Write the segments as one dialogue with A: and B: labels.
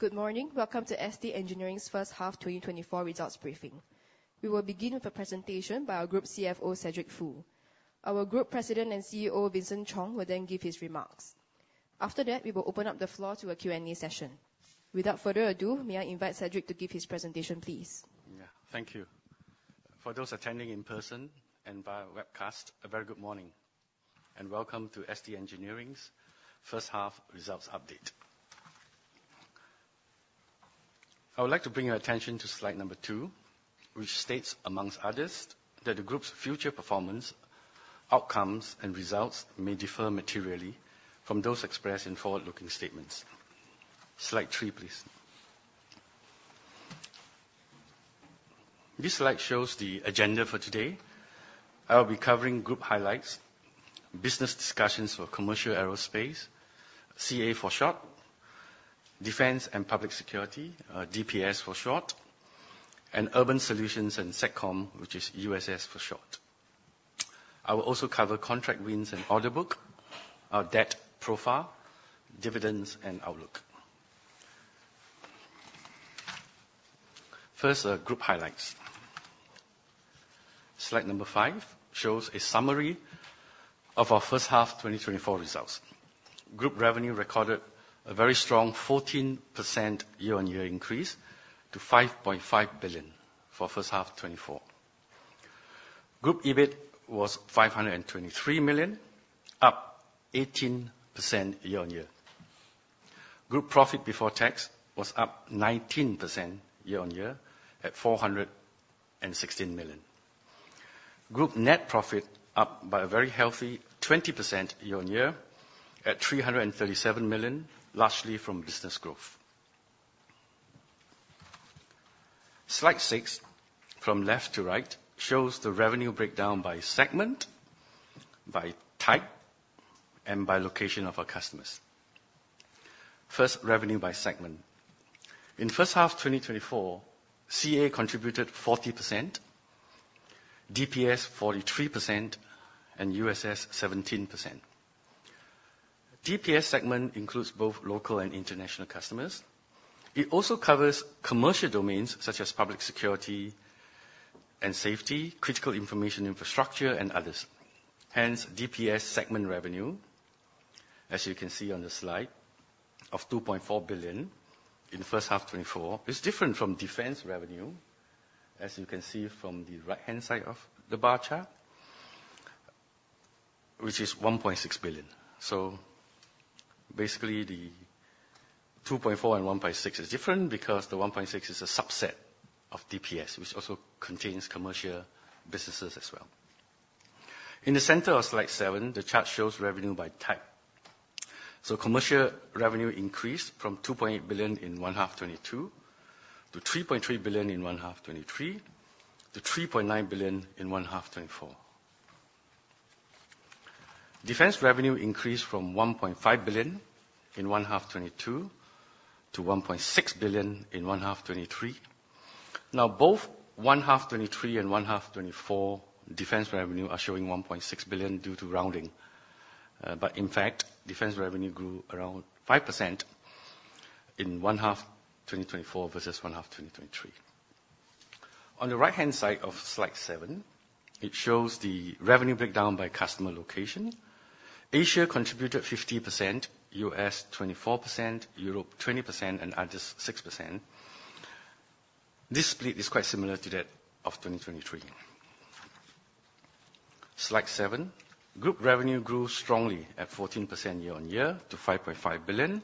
A: Good morning. Welcome to ST Engineering's First Half 2024 Results Briefing. We will begin with a presentation by our Group CFO, Cedric Foo. Our Group President and CEO, Vincent Chong, will then give his remarks. After that, we will open up the floor to a Q&A session. Without further ado, may I invite Cedric to give his presentation, please?
B: Yeah. Thank you. For those attending in person and via webcast, a very good morning, and welcome to ST Engineering's first half results update. I would like to bring your attention to slide number 2, which states, among others, that the group's future performance, outcomes, and results may differ materially from those expressed in forward-looking statements. Slide 3, please. This slide shows the agenda for today. I will be covering group highlights, business discussions for commercial aerospace, CA for short, Defense and Public Security, DPS for short, and Urban Solutions and Satcom, which is USS for short. I will also cover contract wins and order book, our debt profile, dividends, and outlook. First, group highlights. Slide number 5 shows a summary of our first half 2024 results. Group revenue recorded a very strong 14% year-on-year increase to 5.5 billion for first half 2024. Group EBIT was 523 million, up 18% year-on-year. Group profit before tax was up 19% year-on-year, at 416 million. Group net profit up by a very healthy 20% year-on-year, at 337 million, largely from business growth. Slide 6, from left to right, shows the revenue breakdown by segment, by type, and by location of our customers. First, revenue by segment. In first half 2024, CA contributed 40%, DPS 43%, and USS 17%. DPS segment includes both local and international customers. It also covers commercial domains such as public security and safety, critical information infrastructure, and others. Hence, DPS segment revenue, as you can see on the slide, of 2.4 billion in the first half 2024, is different from defense revenue, as you can see from the right-hand side of the bar chart, which is 1.6 billion. So basically, the 2.4 billion and 1.6 billion is different because the 1.6 billion is a subset of DPS, which also contains commercial businesses as well. In the center of slide 7, the chart shows revenue by type. So commercial revenue increased from 2.8 billion in 1H 2022, to 3.3 billion in 1H 2023, to 3.9 billion in 1H 2024. Defense revenue increased from 1.5 billion in 1H 2022, to 1.6 billion in 1H 2023. Now, both 1H 2023 and 1H 2024 defense revenue are showing 1.6 billion due to rounding. But in fact, defense revenue grew around 5% in 1H 2024 versus 1H 2023. On the right-hand side of slide 7, it shows the revenue breakdown by customer location. Asia contributed 50%, U.S. 24%, Europe 20%, and others 6%. This split is quite similar to that of 2023. Slide 7. Group revenue grew strongly at 14% year-on-year to 5.5 billion,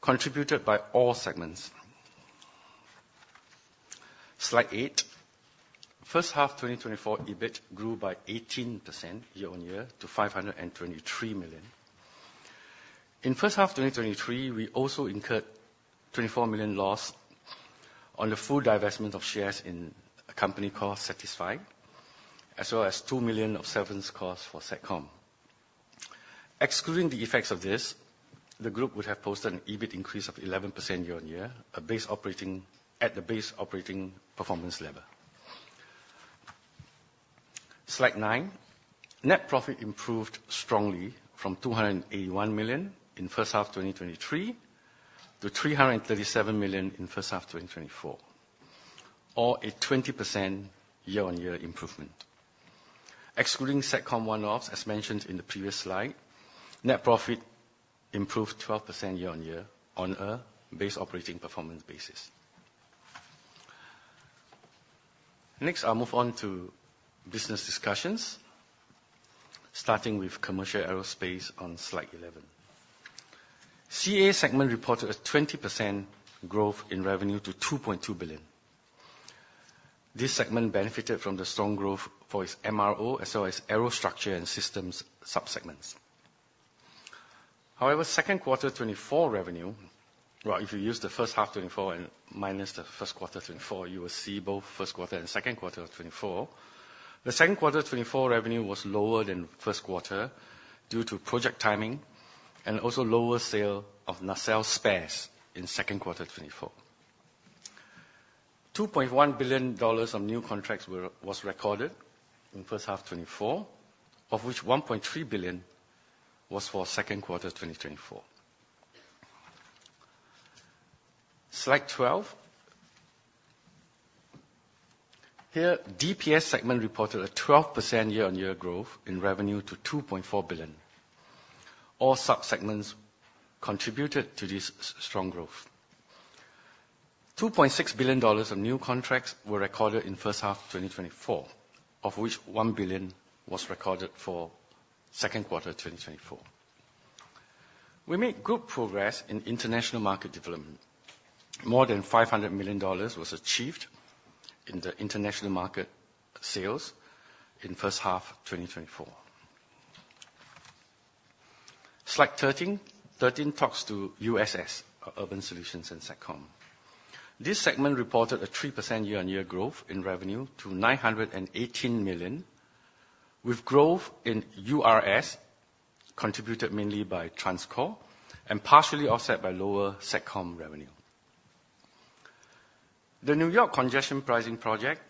B: contributed by all segments. Slide 8. 1H 2024, EBIT grew by 18% year-on-year to SGD 523 million. In 1H 2023, we also incurred SGD 24 million loss on the full divestment of shares in a company called SatixFy, as well as 2 million of severance costs for Satcom. Excluding the effects of this, the group would have posted an EBIT increase of 11% year-on-year, a base operating performance level. Slide 9. Net profit improved strongly from 281 million in first half 2023, to 337 million in first half 2024, or a 20% year-on-year improvement. Excluding Satcom one-offs, as mentioned in the previous slide, net profit improved 12% year-on-year on a base operating performance basis. Next, I'll move on to business discussions, starting with Commercial Aerospace on slide 11. CA segment reported a 20% growth in revenue to 2.2 billion. This segment benefited from the strong growth for its MRO as well as aerostructure and systems sub-segments. However, second quarter 2024 revenue--well, if you use the first half 2024 and minus the first quarter 2024, you will see both first quarter and second quarter of 2024. The second quarter 2024 revenue was lower than first quarter due to project timing and also lower sale of nacelle spares in second quarter 2024. 2.1 billion dollars of new contracts were, was recorded in first half 2024, of which 1.3 billion was for second quarter 2024. Slide 12. Here, DPS segment reported a 12% year-on-year growth in revenue to 2.4 billion. All sub-segments contributed to this strong growth. 2.6 billion dollars of new contracts were recorded in first half 2024, of which 1 billion was recorded for second quarter 2024. We made good progress in international market development. More than 500 million dollars was achieved in the international market sales in first half 2024. Slide 13. Talks to USS, or Urban Solutions and Satcom. This segment reported a 3% year-on-year growth in revenue to 918 million, with growth in URS, contributed mainly by TransCore, and partially offset by lower Satcom revenue. The New York Congestion Pricing project,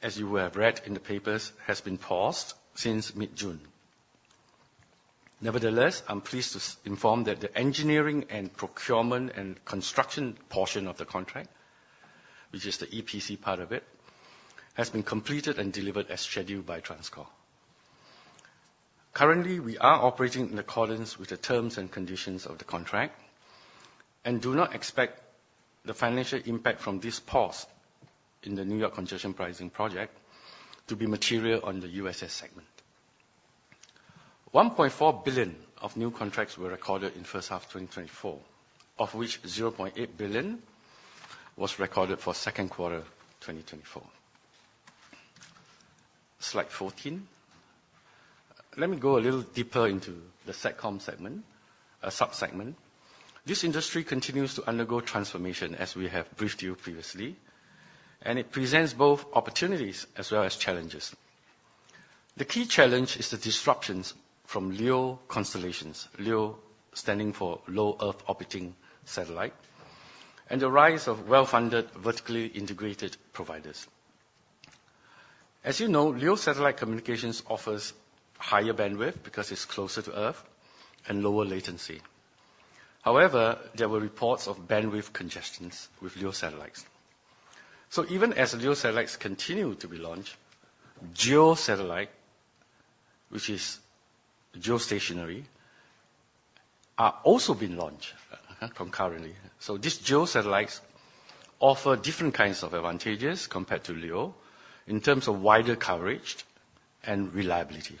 B: as you will have read in the papers, has been paused since mid-June. Nevertheless, I'm pleased to inform that the engineering and procurement and construction portion of the contract, which is the EPC part of it, has been completed and delivered as scheduled by TransCore. Currently, we are operating in accordance with the terms and conditions of the contract and do not expect the financial impact from this pause in the New York Congestion Pricing project to be material on the USS segment. 1.4 billion of new contracts were recorded in first half 2024, of which 0.8 billion was recorded for second quarter 2024. Slide 14. Let me go a little deeper into the Satcom segment, sub-segment. This industry continues to undergo transformation, as we have briefed you previously, and it presents both opportunities as well as challenges. The key challenge is the disruptions from LEO constellations, LEO standing for Low Earth Orbiting satellite, and the rise of well-funded, vertically integrated providers. As you know, LEO satellite communications offers higher bandwidth, because it's closer to Earth, and lower latency. However, there were reports of bandwidth congestions with LEO satellites. So even as the LEO satellites continue to be launched, GEO satellite, which is geostationary, are also being launched concurrently. So these GEO satellites offer different kinds of advantages compared to LEO in terms of wider coverage and reliability.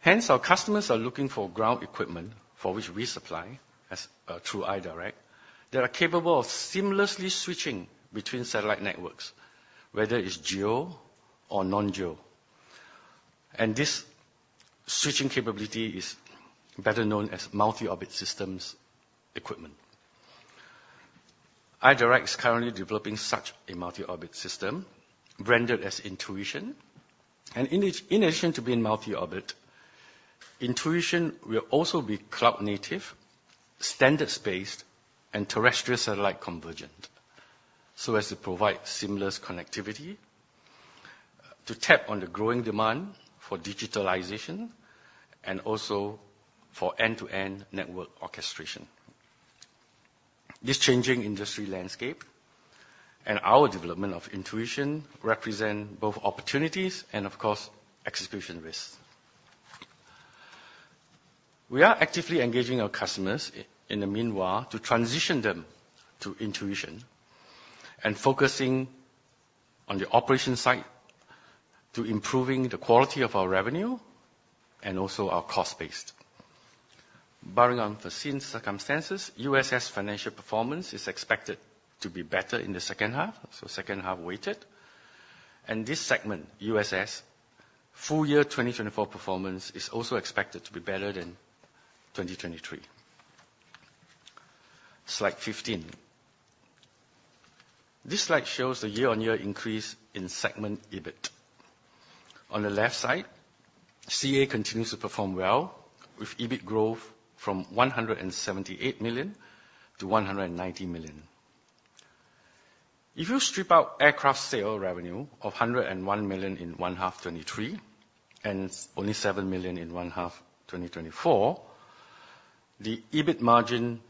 B: Hence, our customers are looking for ground equipment, for which we supply through iDirect, that are capable of seamlessly switching between satellite networks, whether it's GEO or non-GEO. This switching capability is better known as multi-orbit systems equipment. iDirect is currently developing such a multi-orbit system, branded as Intuition, and in addition to being multi-orbit, Intuition will also be cloud native, standards-based, and terrestrial-satellite convergent, so as to provide seamless connectivity to tap on the growing demand for digitalization, and also for end-to-end network orchestration. This changing industry landscape and our development of Intuition represent both opportunities and, of course, execution risks. We are actively engaging our customers in the meanwhile, to transition them to Intuition and focusing on the operation side, to improving the quality of our revenue and also our cost base. Barring unforeseen circumstances, USS financial performance is expected to be better in the second half, so second half weighted. This segment, USS, full year 2024 performance is also expected to be better than 2023. Slide 15. This slide shows the year-on-year increase in segment EBIT. On the left side, CA continues to perform well, with EBIT growth from 178 million to 190 million. If you strip out aircraft sale revenue of 101 million in 1H 2023, and only 7 million in 1H 2024, the EBIT margin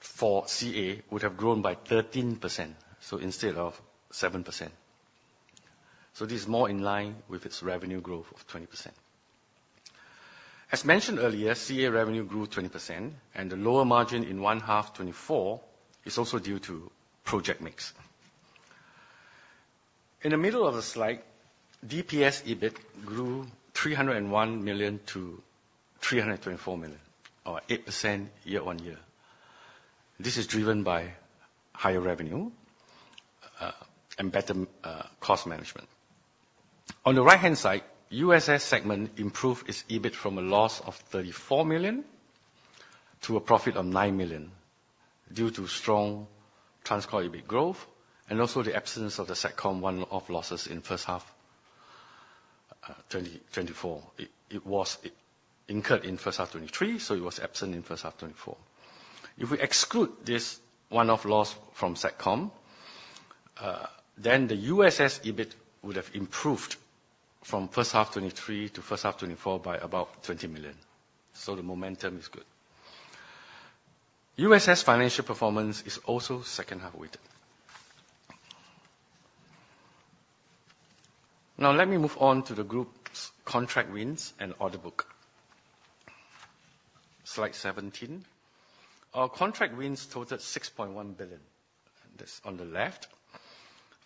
B: for CA would have grown by 13%, so instead of 7%, so this is more in line with its revenue growth of 20%. As mentioned earlier, CA revenue grew 20%, and the lower margin in 1H 2024 is also due to project mix. In the middle of the slide, DPS EBIT grew 301 million to 324 million, or 8% year-on-year. This is driven by higher revenue and better cost management. On the right-hand side, USS segment improved its EBIT from a loss of 34 million to a profit of 9 million, due to strong TransCore EBIT growth, and also the absence of the Satcom one-off losses in first half 2024. It was incurred in first half 2023, so it was absent in first half 2024. If we exclude this one-off loss from Satcom, then the USS EBIT would have improved from first half 2023 to first half 2024 by about 20 million. So the momentum is good. USS financial performance is also second half weighted. Now, let me move on to the group's contract wins and order book. Slide 17. Our contract wins totaled 6.1 billion, and that's on the left,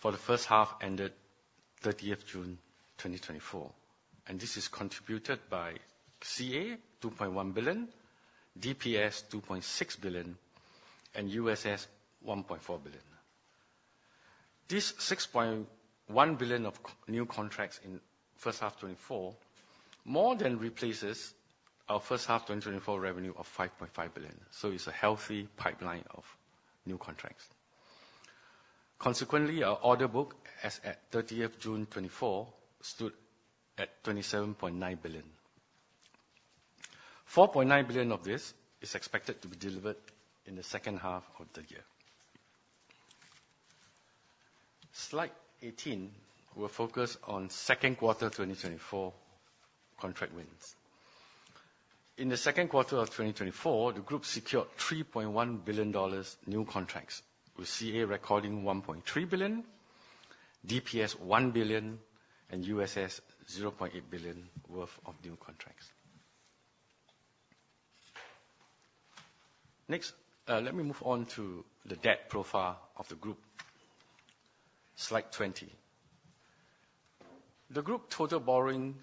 B: for the first half ended 30 June 2024. This is contributed by CA, 2.1 billion; DPS, 2.6 billion; and USS, 1.4 billion. This 6.1 billion of new contracts in first half 2024 more than replaces our first half 2024 revenue of 5.5 billion, so it's a healthy pipeline of new contracts. Consequently, our order book as at 30 June 2024 stood at 27.9 billion. 4.9 billion of this is expected to be delivered in the second half of the year. Slide 18, we're focused on second quarter 2024 contract wins. In the second quarter of 2024, the group secured SGD 3.1 billion new contracts, with CA recording SGD 1.3 billion, DPS SGD 1 billion, and USS, SGD 0.8 billion worth of new contracts. Next, let me move on to the debt profile of the group. Slide 20. The group total borrowings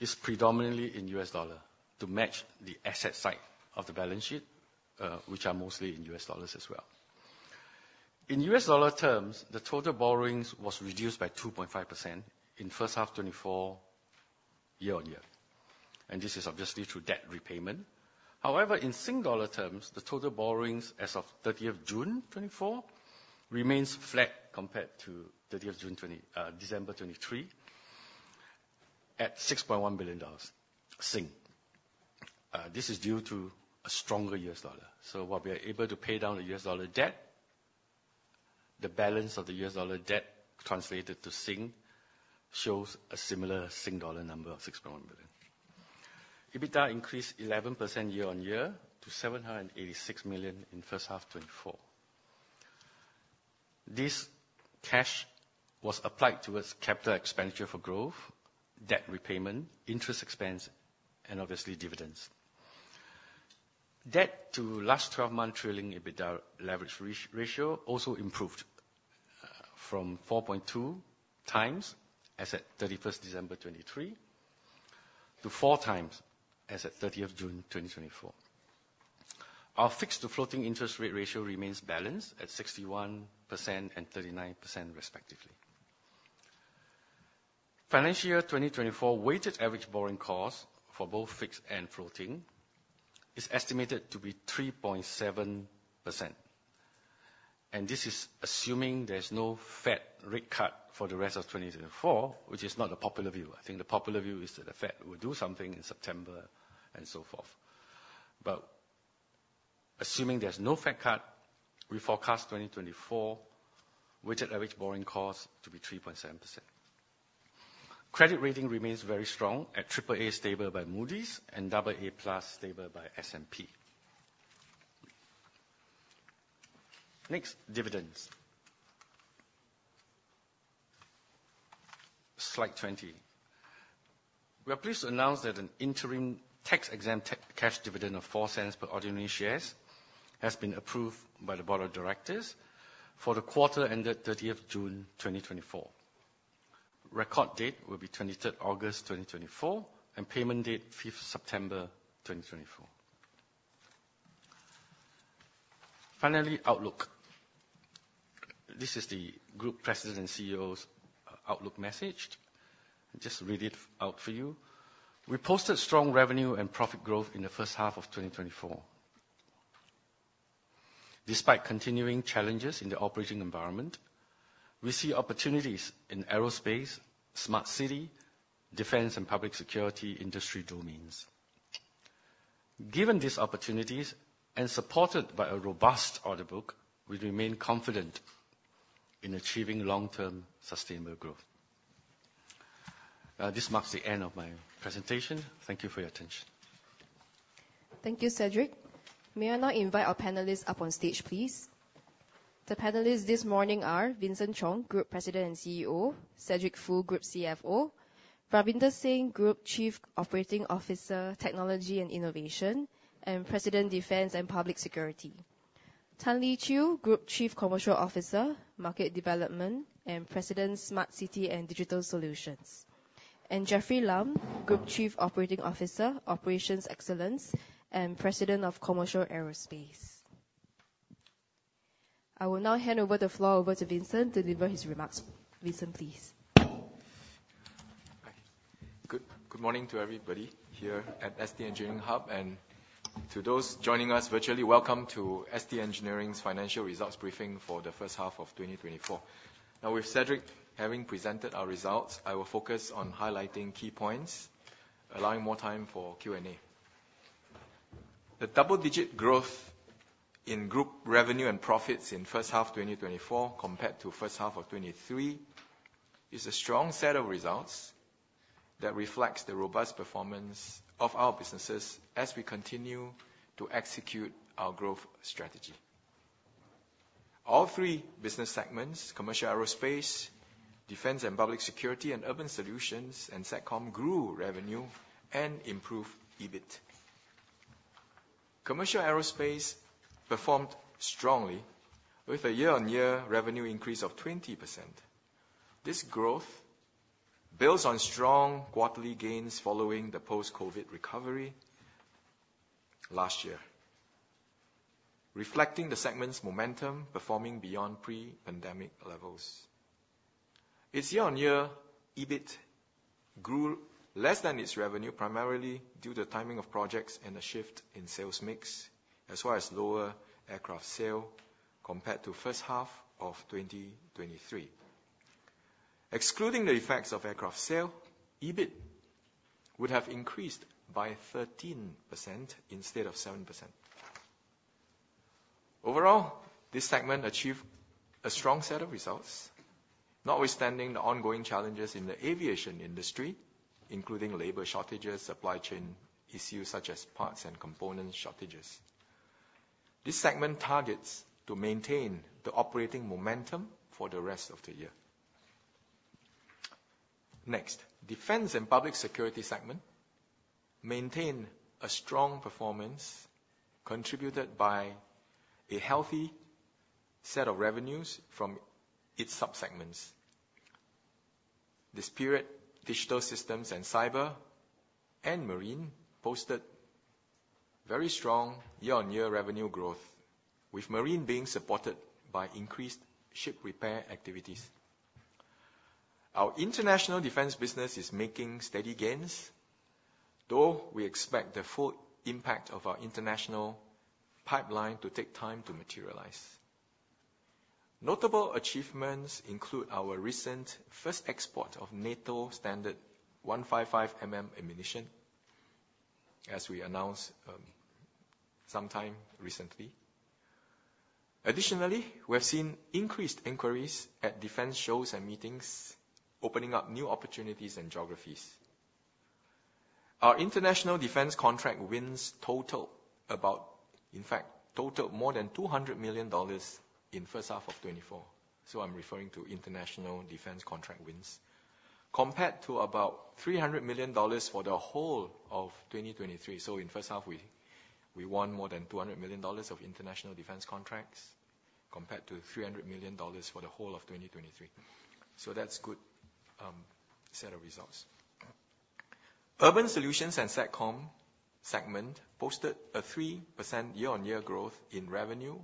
B: is predominantly in U.S. dollar to match the asset side of the balance sheet, which are mostly in U.S. dollars as well. In US dollar terms, the total borrowings was reduced by 2.5% in first half 2024, year-on-year, and this is obviously through debt repayment. However, in Sing Dollar terms, the total borrowings as of 30 June 2024 remains flat compared to December 2023, at 6.1 billion Sing dollars. This is due to a stronger U.S. dollar. So while we are able to pay down the U.S. dollar debt, the balance of the U.S. dollar debt translated to Sing shows a similar Sing dollar number of 6.1 billion. EBITDA increased 11% year-on-year to 786 million in first half 2024. This cash was applied towards capital expenditure for growth, debt repayment, interest expense, and obviously, dividends. Debt to last 12 month trailing EBITDA leverage ratio also improved from 4.2x, as at 31 December 2023, to 4x, as at 30 June 2024. Our fixed to floating interest rate ratio remains balanced at 61% and 39% respectively. Financial year 2024 weighted average borrowing cost for both fixed and floating is estimated to be 3.7%, and this is assuming there's no Fed rate cut for the rest of 2024, which is not a popular view. I think the popular view is that the Fed will do something in September, and so forth. But assuming there's no Fed cut, we forecast 2024 weighted average borrowing cost to be 3.7%. Credit rating remains very strong at AAA stable by Moody's and AA+ stable by S&P. Next, dividends. Slide 20. We are pleased to announce that an interim tax-exempt (one-tier) cash dividend of 0.04 per ordinary shares has been approved by the Board of Directors for the quarter ended 30th June 2024. Record date will be 23rd August 2024, and payment date, 5th September 2024. Finally, outlook. This is the Group President and CEO's outlook message. I'll just read it out for you. "We posted strong revenue and profit growth in the first half of 2024. Despite continuing challenges in the operating environment, we see opportunities in aerospace, smart city, defense and public security industry domains. Given these opportunities, and supported by a robust order book, we remain confident in achieving long-term, sustainable growth." This marks the end of my presentation. Thank you for your attention.
A: Thank you, Cedric. May I now invite our panelists up on stage, please? The panelists this morning are Vincent Chong, Group President and CEO, Cedric Foo, Group CFO, Ravinder Singh, Group Chief Operating Officer, Technology and Innovation, and President, Defense and Public Security. Tan Lee Chew, Group Chief Commercial Officer, Market Development, and President, Smart City and Digital Solutions. And Jeffrey Lam, Group Chief Operating Officer, Operations Excellence, and President of Commercial Aerospace. I will now hand over the floor to Vincent to deliver his remarks. Vincent, please.
C: Good, good morning to everybody here at ST Engineering Hub, and to those joining us virtually, welcome to ST Engineering's financial results briefing for the first half of 2024. Now, with Cedric having presented our results, I will focus on highlighting key points, allowing more time for Q&A. The double-digit growth in group revenue and profits in first half 2024, compared to first half of 2023, is a strong set of results that reflects the robust performance of our businesses as we continue to execute our growth strategy. All three business segments, Commercial Aerospace, Defense and Public Security, and Urban Solutions and Satcom, grew revenue and improved EBIT. Commercial Aerospace performed strongly with a year-on-year revenue increase of 20%. This growth builds on strong quarterly gains following the post-COVID recovery last year, reflecting the segment's momentum, performing beyond pre-pandemic levels. Its year-on-year EBIT grew less than its revenue, primarily due to the timing of projects and a shift in sales mix, as well as lower aircraft sale compared to first half of 2023. Excluding the effects of aircraft sale, EBIT would have increased by 13% instead of 7%. Overall, this segment achieved a strong set of results, notwithstanding the ongoing challenges in the aviation industry, including labor shortages, supply chain issues, such as parts and component shortages. This segment targets to maintain the operating momentum for the rest of the year. Next, Defense and Public Security segment maintained a strong performance, contributed by a healthy set of revenues from its sub-segments. This period, Digital Systems and Cyber and Marine posted very strong year-on-year revenue growth, with Marine being supported by increased ship repair activities. Our international defense business is making steady gains, though we expect the full impact of our international pipeline to take time to materialize. Notable achievements include our recent first export of NATO standard 155 mm ammunition, as we announced, sometime recently. Additionally, we have seen increased inquiries at defense shows and meetings, opening up new opportunities and geographies. Our international defense contract wins total about, in fact, totaled more than 200 million dollars in first half of 2024. So I'm referring to international defense contract wins, compared to about 300 million dollars for the whole of 2023. So in first half, we won more than 200 million dollars of international defense contracts, compared to 300 million dollars for the whole of 2023. So that's good set of results. Urban Solutions and Satcom segment posted a 3% year-on-year growth in revenue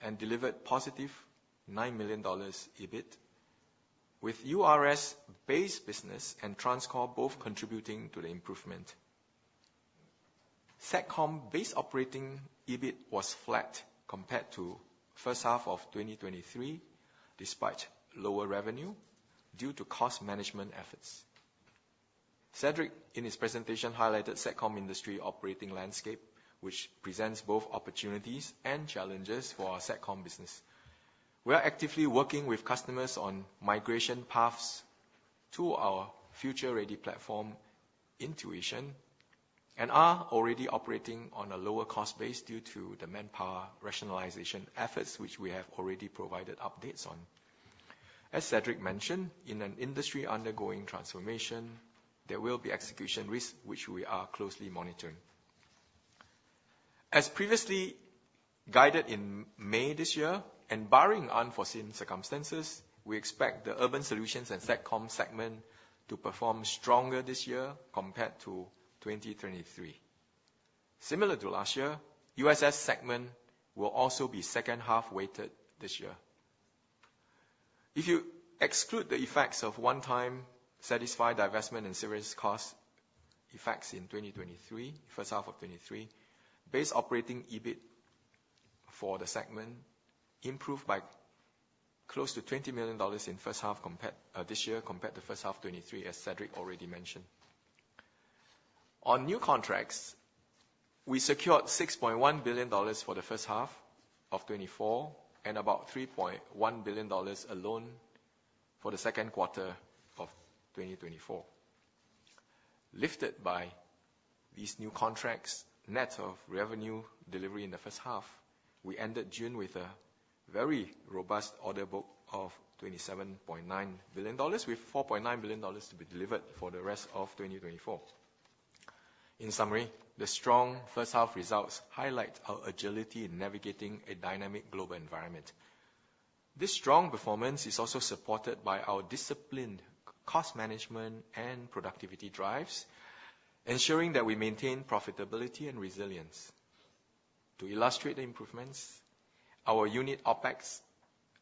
C: and delivered positive 9 million dollars EBIT, with US base business and TransCore both contributing to the improvement. Satcom base operating EBIT was flat compared to first half of 2023, despite lower revenue due to cost management efforts. Cedric, in his presentation, highlighted Satcom industry operating landscape, which presents both opportunities and challenges for our Satcom business. We are actively working with customers on migration paths to our future-ready platform, Intuition, and are already operating on a lower cost base due to the manpower rationalization efforts, which we have already provided updates on. As Cedric mentioned, in an industry undergoing transformation, there will be execution risk, which we are closely monitoring. As previously guided in May this year, and barring unforeseen circumstances, we expect the Urban Solutions and Satcom segment to perform stronger this year compared to 2023. Similar to last year, USS segment will also be second half weighted this year. If you exclude the effects of one-time SatixFy divestment and severance cost effects in 2023, first half of 2023, base operating EBIT for the segment improved by close to 20 million dollars in first half compared this year, compared to first half 2023, as Cedric already mentioned. On new contracts, we secured 6.1 billion dollars for the first half of 2024, and about 3.1 billion dollars alone for the second quarter of 2024. Lifted by these new contracts, net of revenue delivery in the first half, we ended June with a very robust order book of SGD 27.9 billion, with SGD 4.9 billion to be delivered for the rest of 2024. In summary, the strong first half results highlight our agility in navigating a dynamic global environment. This strong performance is also supported by our disciplined cost management and productivity drives, ensuring that we maintain profitability and resilience. To illustrate the improvements, our unit OpEx,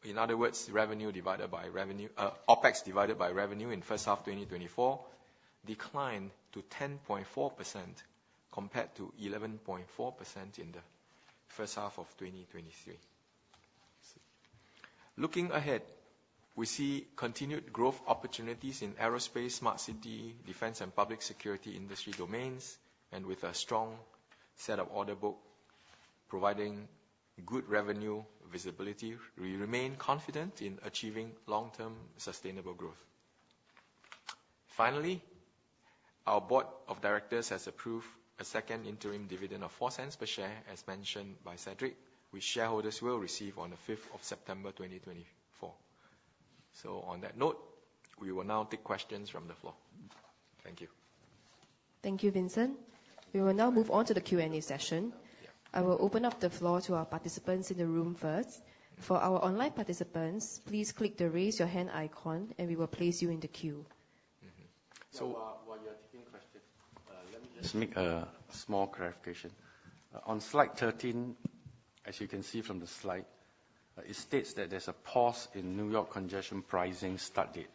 C: in other words, revenue divided by revenue, OpEx divided by revenue in first half 2024 declined to 10.4%, compared to 11.4% in the first half of 2023. Looking ahead, we see continued growth opportunities in aerospace, smart city, defense, and public security industry domains, and with a strong set of order book, providing good revenue visibility, we remain confident in achieving long-term sustainable growth. Finally, our board of directors has approved a second interim dividend of 0.04 per share, as mentioned by Cedric, which shareholders will receive on the 5 of September 2024. So on that note, we will now take questions from the floor. Thank you.
A: Thank you, Vincent. We will now move on to the Q&A session. I will open up the floor to our participants in the room first. For our online participants, please click the Raise Your Hand icon, and we will place you in the queue.
B: While you are taking questions, let me just make a small clarification. On slide 13, as you can see from the slide, it states that there's a pause in New York Congestion Pricing start date.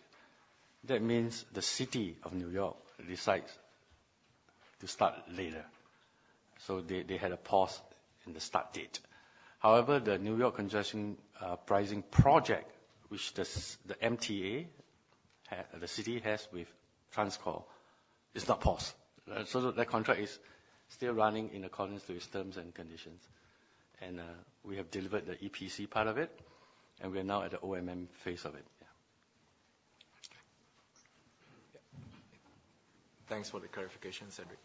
B: That means the city of New York decides to start later, so they had a pause in the start date. However, the New York Congestion Pricing project, which the MTA, the city has with TransCore, is not paused. So that contract is still running in accordance to its terms and conditions, and we have delivered the EPC part of it, and we are now at the O&M phase of it.
C: Yeah. Thanks for the clarification, Cedric.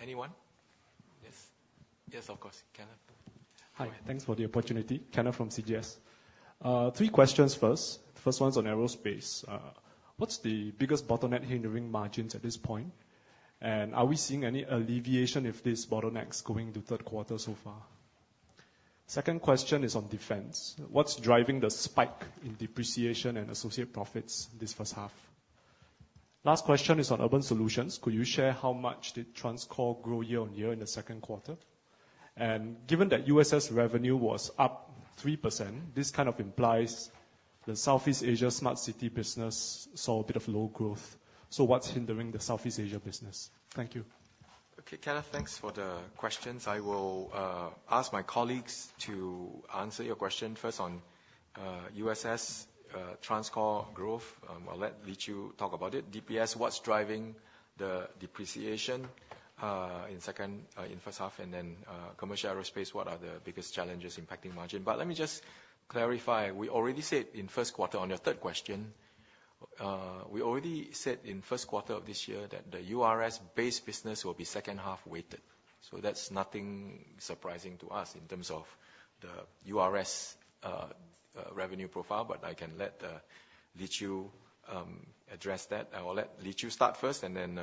C: Anyone? Yes. Yes, of course, Kenneth.
D: Hi. Thanks for the opportunity, Kenneth from CGS. Three questions first. First one's on aerospace. What's the biggest bottleneck hindering margins at this point? And are we seeing any alleviation of these bottlenecks going into third quarter so far? Second question is on defense. What's driving the spike in depreciation and associate profits this first half? Last question is on urban solutions. Could you share how much did TransCore grow year-on-year in the second quarter? And given that USS revenue was up 3%, this kind of implies the Southeast Asia smart city business saw a bit of low growth. So what's hindering the Southeast Asia business? Thank you.
C: Okay, Kenneth, thanks for the questions. I will ask my colleagues to answer your question. First, on USS, TransCore growth, I'll let Lee Chew talk about it. DPS, what's driving the depreciation in first half, and then, commercial aerospace, what are the biggest challenges impacting margin? But let me just clarify. We already said in first quarter, on your third question, we already said in first quarter of this year that the URS-based business will be second half weighted. So that's nothing surprising to us in terms of the URS revenue profile, but I can let Lee Chew address that. I will let Lee Chew start first, and then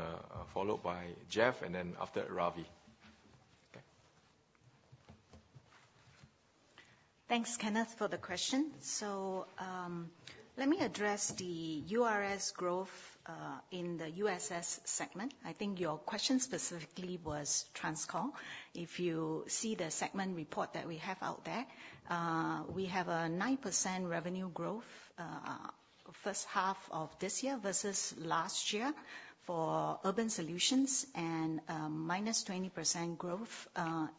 C: followed by Jeff, and then after, Ravi?
E: Thanks, Kenneth, for the question. So, let me address the URS growth in the USS segment. I think your question specifically was TransCore. If you see the segment report that we have out there, we have a 9% revenue growth, first half of this year versus last year for Urban Solutions, and minus 20% growth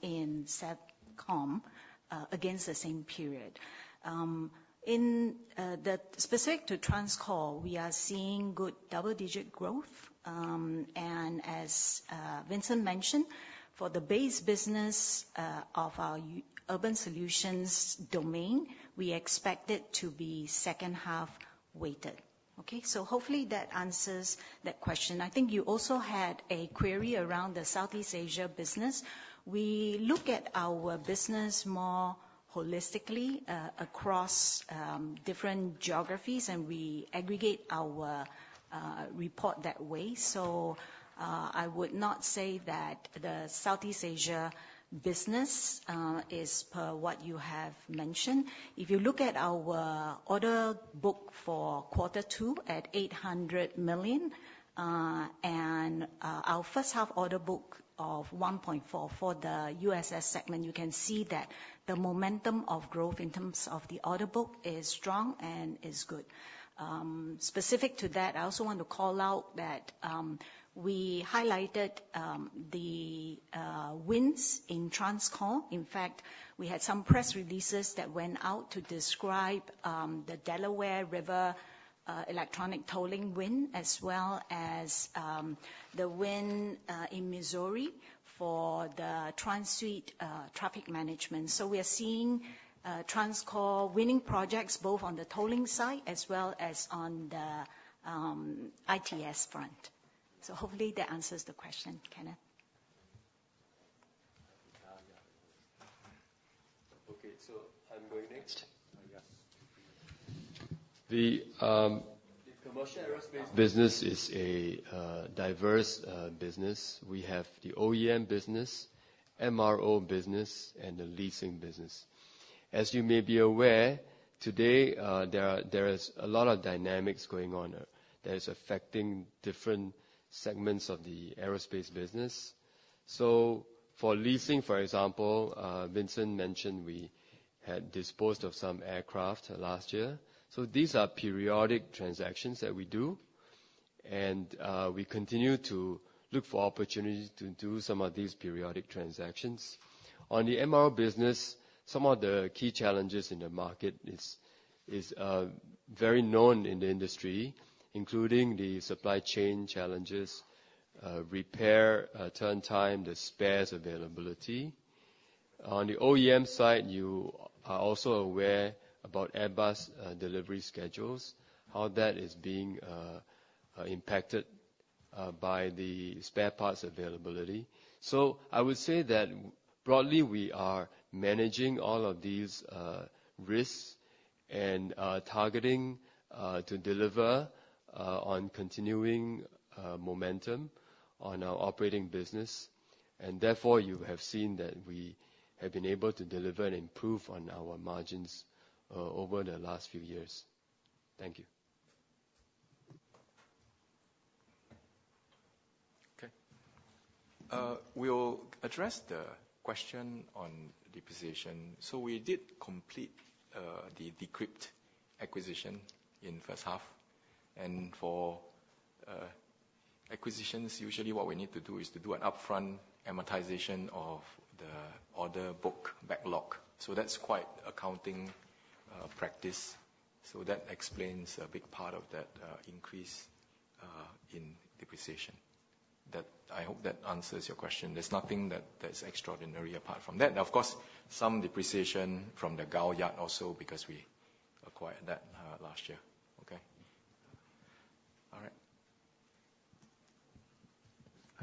E: in Satcom against the same period. In the specific to TransCore, we are seeing good double-digit growth. And as Vincent mentioned, for the base business of our Urban Solutions domain, we expect it to be second half weighted. Okay? So hopefully that answers that question. I think you also had a query around the Southeast Asia business. We look at our business more holistically across different geographies, and we aggregate our report that way. So, I would not say that the Southeast Asia business is per what you have mentioned. If you look at our order book for quarter two at 800 million, and our first half order book of 1.4 billion for the USS segment, you can see that the momentum of growth in terms of the order book is strong and is good. Specific to that, I also want to call out that we highlighted the wins in TransCore. In fact, we had some press releases that went out to describe the Delaware River electronic tolling win, as well as the win in Missouri for the TransSuite traffic management. So we are seeing TransCore winning projects both on the tolling side as well as on the ITS front. So hopefully that answers the question, Kenneth.
F: Okay, so I'm going next?
C: Uh, yes.
F: The Commercial Aerospace business is a diverse business. We have the OEM business, MRO business, and the leasing business. As you may be aware, today, there is a lot of dynamics going on that is affecting different segments of the aerospace business. So for leasing, for example, Vincent mentioned, we had disposed of some aircraft last year. So these are periodic transactions that we do, and we continue to look for opportunities to do some of these periodic transactions. On the MRO business, some of the key challenges in the market is very known in the industry, including the supply chain challenges, repair turn time, the spares availability. On the OEM side, you are also aware about Airbus delivery schedules, how that is being impacted by the spare parts availability. So I would say that broadly, we are managing all of these risks and targeting to deliver on continuing momentum on our operating business. Therefore, you have seen that we have been able to deliver and improve on our margins over the last few years. Thank you.
C: Okay. We'll address the question on depreciation. So we did complete the D'Crypt acquisition in first half. And for acquisitions, usually, what we need to do is to do an upfront amortization of the order book backlog. So that's quite accounting practice. So that explains a big part of that increase in depreciation. That, I hope that answers your question. There's nothing that's extraordinary apart from that. Now, of course, some depreciation from the Gul Yard also, because we acquired that last year.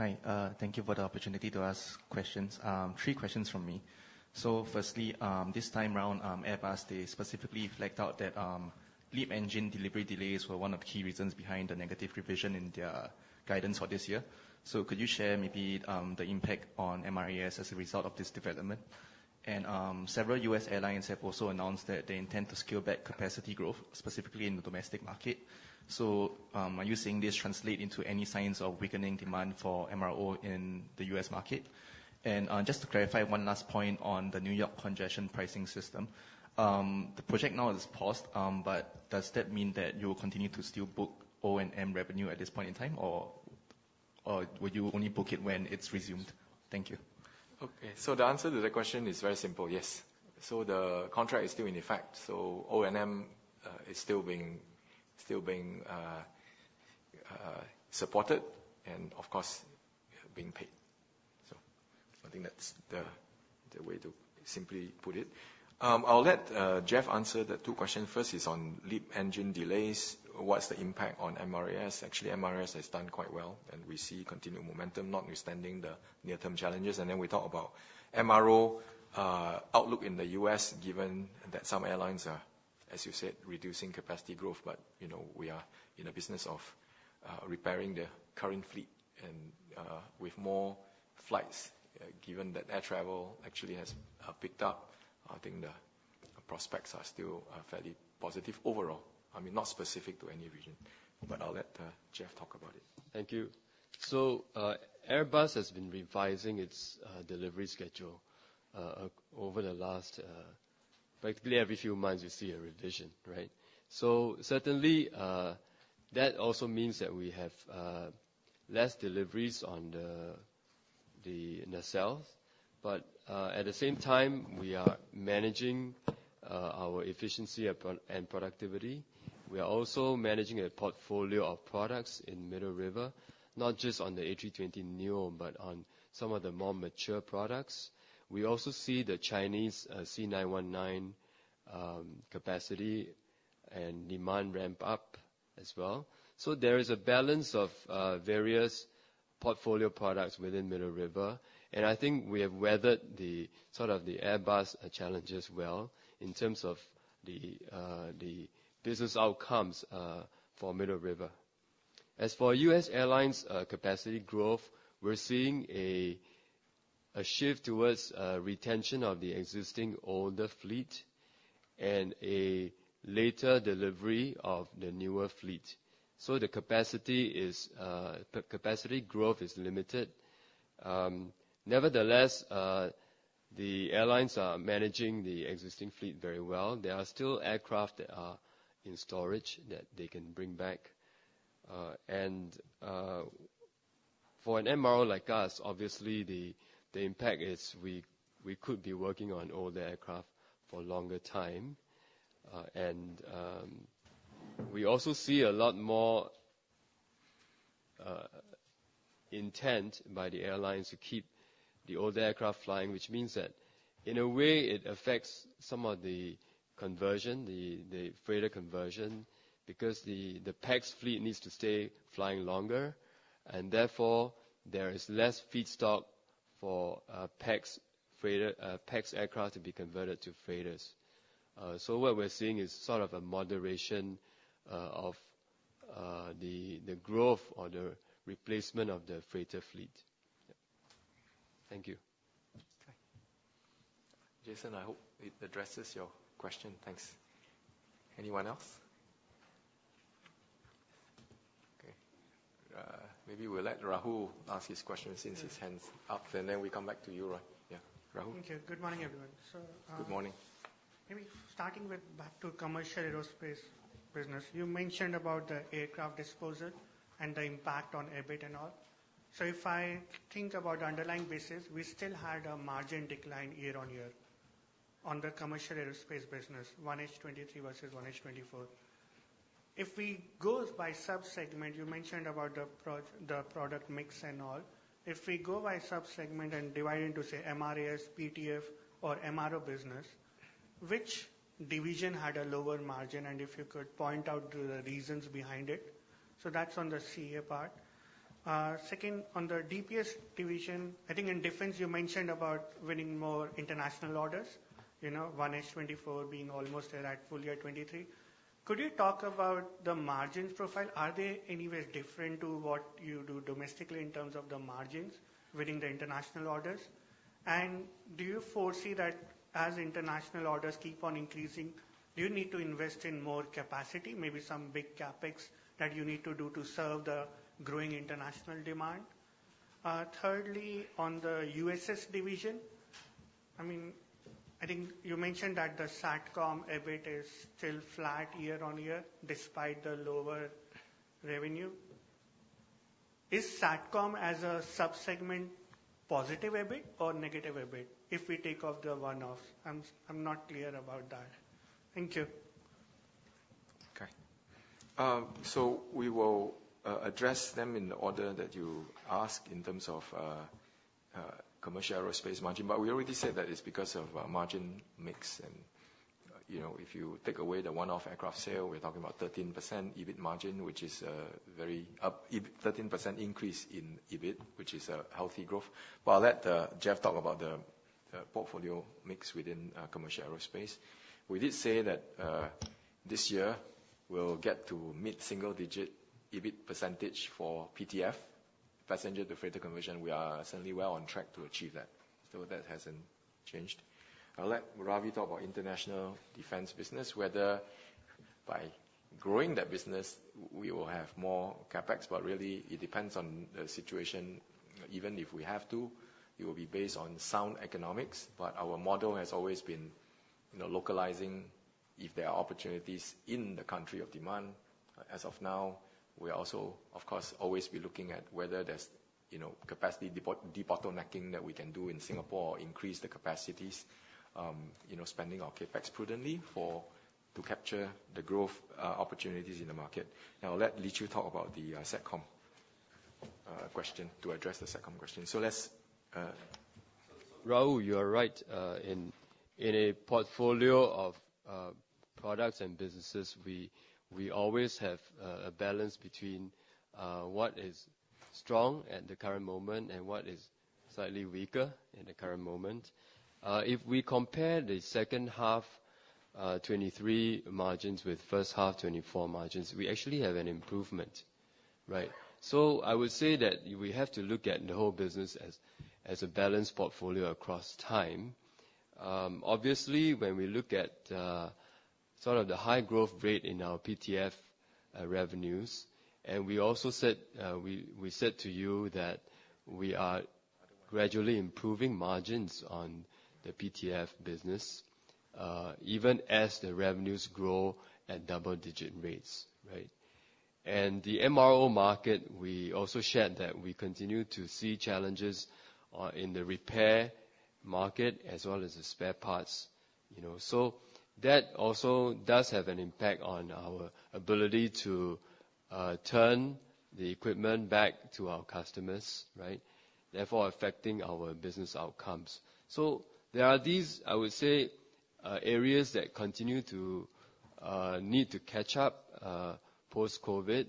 C: Okay. All right.
G: Hi, thank you for the opportunity to ask questions. Three questions from me. So firstly, this time around, Airbus, they specifically flagged out that, LEAP engine delivery delays were one of the key reasons behind the negative revision in their guidance for this year. So could you share maybe, the impact on MRAS as a result of this development? And, several U.S. airlines have also announced that they intend to scale back capacity growth, specifically in the domestic market. So, are you seeing this translate into any signs of weakening demand for MRO in the U.S. market? And, just to clarify one last point on the New York congestion pricing system. The project now is paused, but does that mean that you'll continue to still book O&M revenue at this point in time, or would you only book it when it's resumed? Thank you.
C: Okay, so the answer to that question is very simple: Yes. So the contract is still in effect, so O&M is still being supported and of course, being paid. So I think that's the way to simply put it. I'll let Jeff answer the two questions. First is on LEAP engine delays. What's the impact on MRAS? Actually, MRAS has done quite well, and we see continued momentum, notwithstanding the near-term challenges. And then we talk about MRO outlook in the U.S., given that some airlines are, as you said, reducing capacity growth. But, you know, we are in a business of repairing the current fleet and with more flights, given that air travel actually has picked up, I think the prospects are still fairly positive overall. I mean, not specific to any region, but I'll let Jeff talk about it.
F: Thank you. So, Airbus has been revising its delivery schedule over the last--practically, every few months, we see a revision, right? So certainly, that also means that we have less deliveries on the nacelles. But, at the same time, we are managing our efficiency and productivity. We are also managing a portfolio of products in Middle River, not just on the A320neo, but on some of the more mature products. We also see the Chinese C919 capacity and demand ramp up as well. So there is a balance of various portfolio products within Middle River, and I think we have weathered the sort of Airbus challenges well, in terms of the business outcomes for Middle River. As for U.S. airlines, capacity growth, we're seeing a shift towards retention of the existing older fleet and a later delivery of the newer fleet. So the capacity growth is limited. Nevertheless, the airlines are managing the existing fleet very well. There are still aircraft that are in storage that they can bring back. For an MRO like us, obviously, the impact is we could be working on older aircraft for longer time. We also see a lot more intent by the airlines to keep the older aircraft flying, which means that in a way, it affects some of the conversion, the freighter conversion, because the PAX fleet needs to stay flying longer, and therefore, there is less feedstock for PAX freighter, PAX aircraft to be converted to freighters. So what we're seeing is sort of a moderation of the growth or the replacement of the freighter fleet.
C: Thank you. Okay. Jason, I hope it addresses your question. Thanks. Anyone else? Okay, maybe we'll let Rahul ask his question, since his hand's up, and then we come back to you, Roy. Yeah, Rahul?
H: Thank you. Good morning, everyone.
C: Good morning.
H: Maybe starting with back to commercial aerospace business, you mentioned about the aircraft disposal and the impact on EBIT and all. So if I think about underlying business, we still had a margin decline year-on-year on the commercial aerospace business, 1H 2023 versus 1H 2024. If we go by sub-segment, you mentioned about the product mix and all. If we go by sub-segment and divide into, say, MROs, PTF or MRO business, which division had a lower margin? And if you could point out the reasons behind it. So that's on the CA part. Second, on the DPS division, I think in defense, you mentioned about winning more international orders, you know, 1H 2024 being almost there at full year 2023. Could you talk about the margin profile? Are they anywhere different to what you do domestically in terms of the margins, winning the international orders? And do you foresee that as international orders keep on increasing, do you need to invest in more capacity, maybe some big CapEx that you need to do to serve the growing international demand? Thirdly, on the USS division, I mean, I think you mentioned that the Satcom EBIT is still flat year-on-year, despite the lower revenue. Is Satcom as a sub-segment, positive EBIT or negative EBIT, if we take off the one-off? I'm, I'm not clear about that. Thank you.
C: Okay. So we will address them in the order that you asked in terms of Commercial Aerospace margin. But we already said that it's because of margin mix. And, you know, if you take away the one-off aircraft sale, we're talking about 13% EBIT margin, which is very 13% increase in EBIT, which is a healthy growth. But I'll let Jeff talk about the portfolio mix within Commercial Aerospace. We did say that this year we'll get to mid-single-digit EBIT percentage for PTF, passenger-to-freighter conversion. We are certainly well on track to achieve that, so that hasn't changed. I'll let Ravi talk about international defense business, whether by growing that business, we will have more CapEx. But really it depends on the situation. Even if we have to, it will be based on sound economics. But our model has always been, you know, localizing if there are opportunities in the country of demand. As of now, we are also, of course, always be looking at whether there's, you know, capacity debottlenecking that we can do in Singapore or increase the capacities. You know, spending our CapEx prudently for, to capture the growth, opportunities in the market. Now, I'll let Lee Chew talk about the Satcom question, to address the Satcom question. So let's,
F: Rahul, you are right. In a portfolio of products and businesses, we always have a balance between what is strong at the current moment and what is slightly weaker in the current moment. If we compare the second half 2023 margins with first half 2024 margins, we actually have an improvement, right? So I would say that we have to look at the whole business as a balanced portfolio across time. Obviously, when we look at sort of the high growth rate in our PTF revenues, and we also said, we said to you that we are gradually improving margins on the PTF business, even as the revenues grow at double digit rates, right? And the MRO market, we also shared that we continue to see challenges in the repair market as well as the spare parts, you know. So that also does have an impact on our ability to turn the equipment back to our customers, right? Therefore, affecting our business outcomes. So there are these, I would say, areas that continue to need to catch up post-COVID.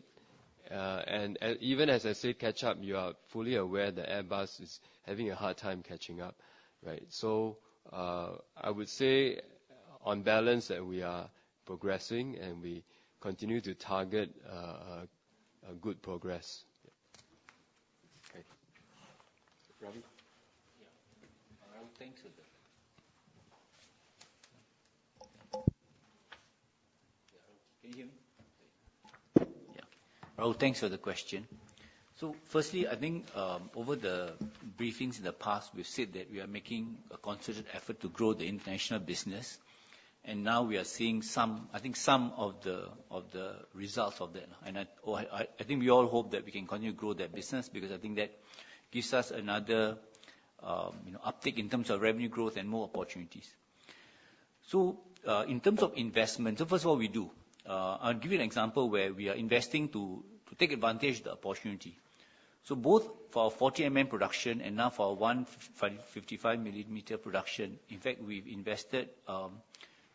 F: And even as I say, catch up, you are fully aware that Airbus is having a hard time catching up, right? So, I would say on balance, that we are progressing, and we continue to target a good progress.
C: Okay. Ravi?
H: Yeah. Thanks for that.
I: Rahul, thanks for the question. So firstly, I think, over the briefings in the past, we've said that we are making a concerted effort to grow the international business, and now we are seeing some, I think, some of the, of the results of that. And I, oh, I, I think we all hope that we can continue to grow that business, because I think that gives us another, you know, uptick in terms of revenue growth and more opportunities. So, in terms of investment, so first of all, we do. I'll give you an example where we are investing to, to take advantage the opportunity. So both for our 40 mm production and now for our 155 mm production, in fact, we've invested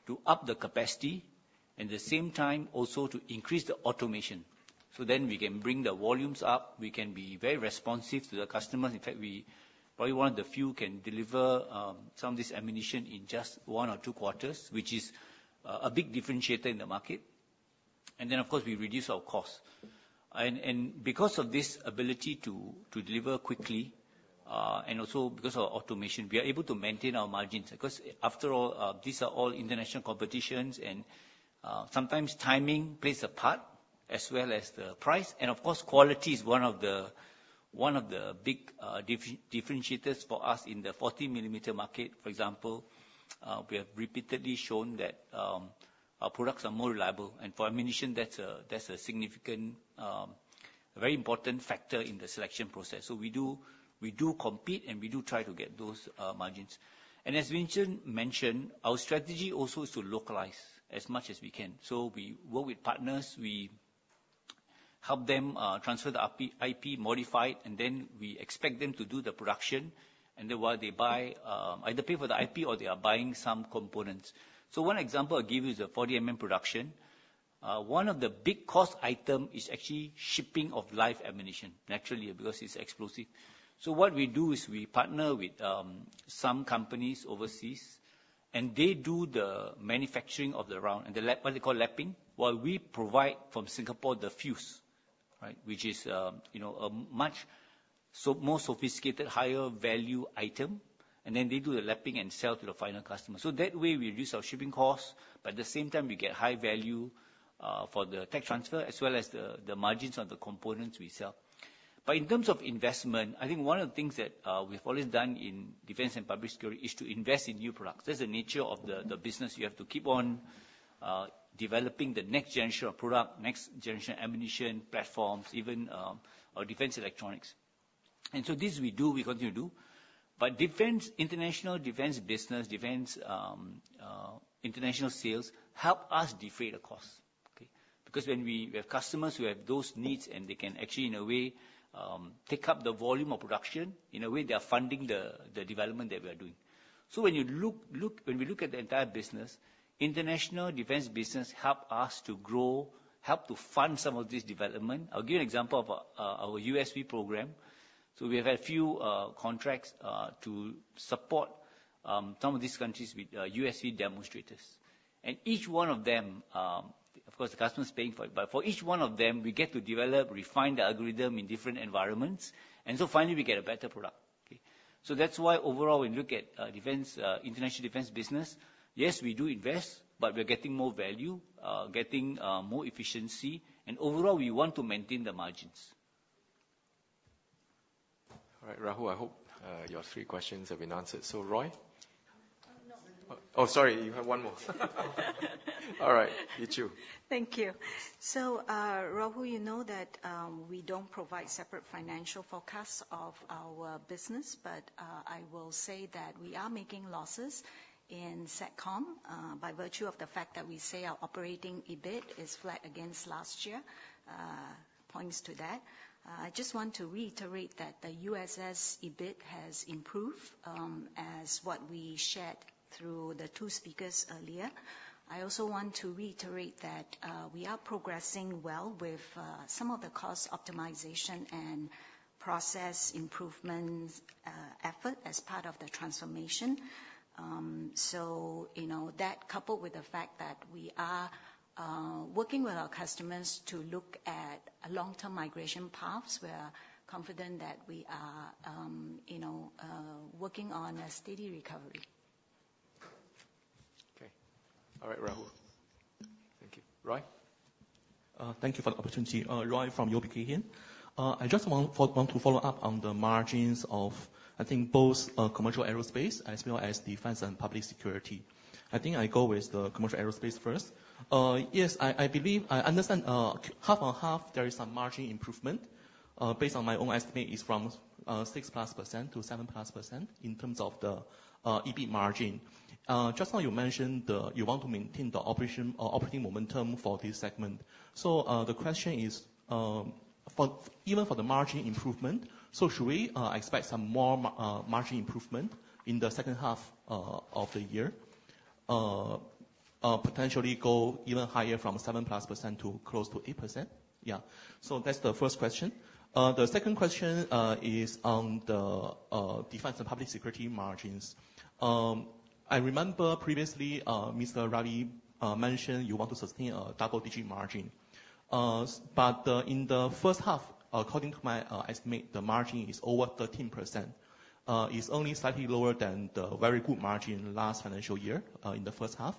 I: to up the capacity, and at the same time, also to increase the automation. So then we can bring the volumes up, we can be very responsive to the customers. In fact, we probably one of the few can deliver some of this ammunition in just one or two quarters, which is a big differentiator in the market. And then, of course, we reduce our cost. And because of this ability to deliver quickly, and also because of automation, we are able to maintain our margins. Because after all, these are all international competitions, and sometimes timing plays a part as well as the price. And of course, quality is one of the big differentiators for us in the 40 mm market. For example, we have repeatedly shown that our products are more reliable, and for ammunition, that's a significant very important factor in the selection process. So we do compete, and we do try to get those margins. And as Vincent mentioned, our strategy also is to localize as much as we can. So we work with partners, we help them transfer the IP, modify, and then we expect them to do the production. And then while they buy, either pay for the IP or they are buying some components. So one example I'll give you is the 40 mm production. One of the big cost item is actually shipping of live ammunition, naturally, because it's explosive. So what we do is we partner with some companies overseas, and they do the manufacturing of the round, and what they call Lapping, while we provide from Singapore the fuze, right? Which is, you know, a much more sophisticated, higher value item, and then they do the Lapping and sell to the final customer. So that way, we reduce our shipping costs, but at the same time, we get high value for the tech transfer, as well as the margins on the components we sell. But in terms of investment, I think one of the things that we've always done in defense and public security is to invest in new products. That's the nature of the business. You have to keep on developing the next-generation product, next-generation ammunition platforms, even our defense electronics. And so this we do, we continue to do. But defense, international defense business, defense, international sales help us defray the cost, okay? Because when we, we have customers who have those needs, and they can actually, in a way, take up the volume of production, in a way, they are funding the, the development that we are doing. So when you look, when we look at the entire business, international defense business help us to grow, help to fund some of this development. I'll give you an example of our USV program. So we have had a few contracts to support some of these countries with USV demonstrators. And each one of them, of course, the customer is paying for it, but for each one of them, we get to develop, refine the algorithm in different environments, and so finally, we get a better product, okay? So that's why overall, when you look at, defense, international defense business, yes, we do invest, but we're getting more value, getting more efficiency, and overall, we want to maintain the margins.
C: All right, Rahul, I hope your three questions have been answered. So, Roy? Oh, sorry, you have one more. All right, Lee Chew.
E: Thank you. So, Rahul, you know that we don't provide separate financial forecasts of our business, but I will say that we are making losses in Satcom by virtue of the fact that we say our operating EBIT is flat against last year, points to that. I just want to reiterate that the USS EBIT has improved, as what we shared through the two speakers earlier. I also want to reiterate that we are progressing well with some of the cost optimization and process improvement effort as part of the transformation. So you know, that coupled with the fact that we are working with our customers to look at a long-term migration paths, we are confident that we are you know working on a steady recovery.
C: Okay. All right, Rahul.
H: Thank you.
C: Roy?
H: Thank you for the opportunity. Roy from UOB Kay Hian. I just want to follow up on the margins of, I think, both, Commercial Aerospace as well as Defense and Public Security. I think I go with the Commercial Aerospace first. Yes, I believe I understand, half on half there is some margin improvement. Based on my own estimate, it's from 6%+ to 7%+ in terms of the EBIT margin. Just now you mentioned you want to maintain the operating momentum for this segment. So, the question is, even for the margin improvement, so should we expect some more margin improvement in the second half of the year? Potentially go even higher from 7%+ to close to 8%? Yeah. So that's the first question. The second question is on the defense and public security margins. I remember previously, Mr. Ravi, mentioned you want to sustain a double-digit margin. But in the first half, according to my estimate, the margin is over 13%. It's only slightly lower than the very good margin in the last financial year in the first half.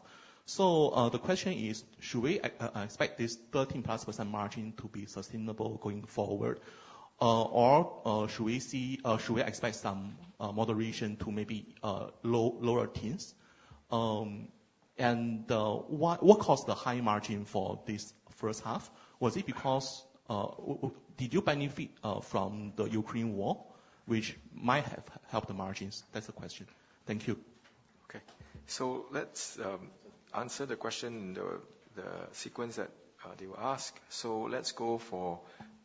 H: So the question is: Should we expect this 13%+ margin to be sustainable going forward? Or should we expect some moderation to maybe lower teens? And what caused the high margin for this first half? Was it because did you benefit from the Ukraine war, which might have helped the margins? That's the question. Thank you.
C: Okay. So let's answer the question in the sequence that they were asked. So let's go for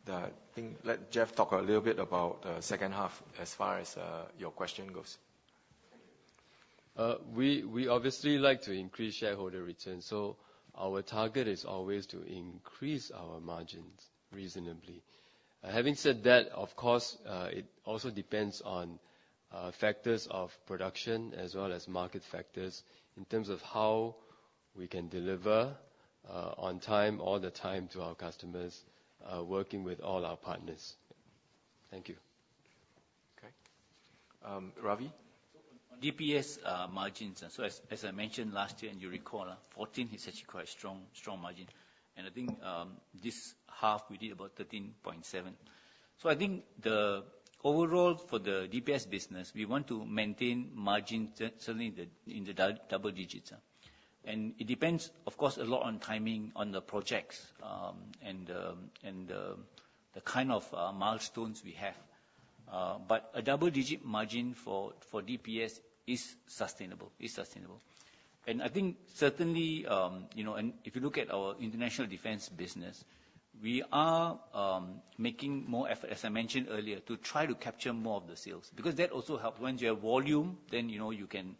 C: the--I think, let Jeff talk a little bit about the second half as far as your question goes.
F: We, we obviously like to increase shareholder returns, so our target is always to increase our margins reasonably. Having said that, of course, it also depends on factors of production as well as market factors, in terms of how we can deliver, on time, all the time to our customers, working with all our partners. Thank you.
C: Okay. Ravi?
I: DPS margins, and so, as I mentioned last year, and you recall, 2014 is actually quite strong, strong margin. And I think, this half we did about 13.7%. So I think, the overall for the DPS business, we want to maintain margin certainly in the double digits. And it depends, of course, a lot on timing on the projects, and the kind of milestones we have. But a double-digit margin for DPS is sustainable. And I think certainly, you know, and if you look at our international defense business, we are making more effort, as I mentioned earlier, to try to capture more of the sales, because that also help. Once you have volume, then, you know, you can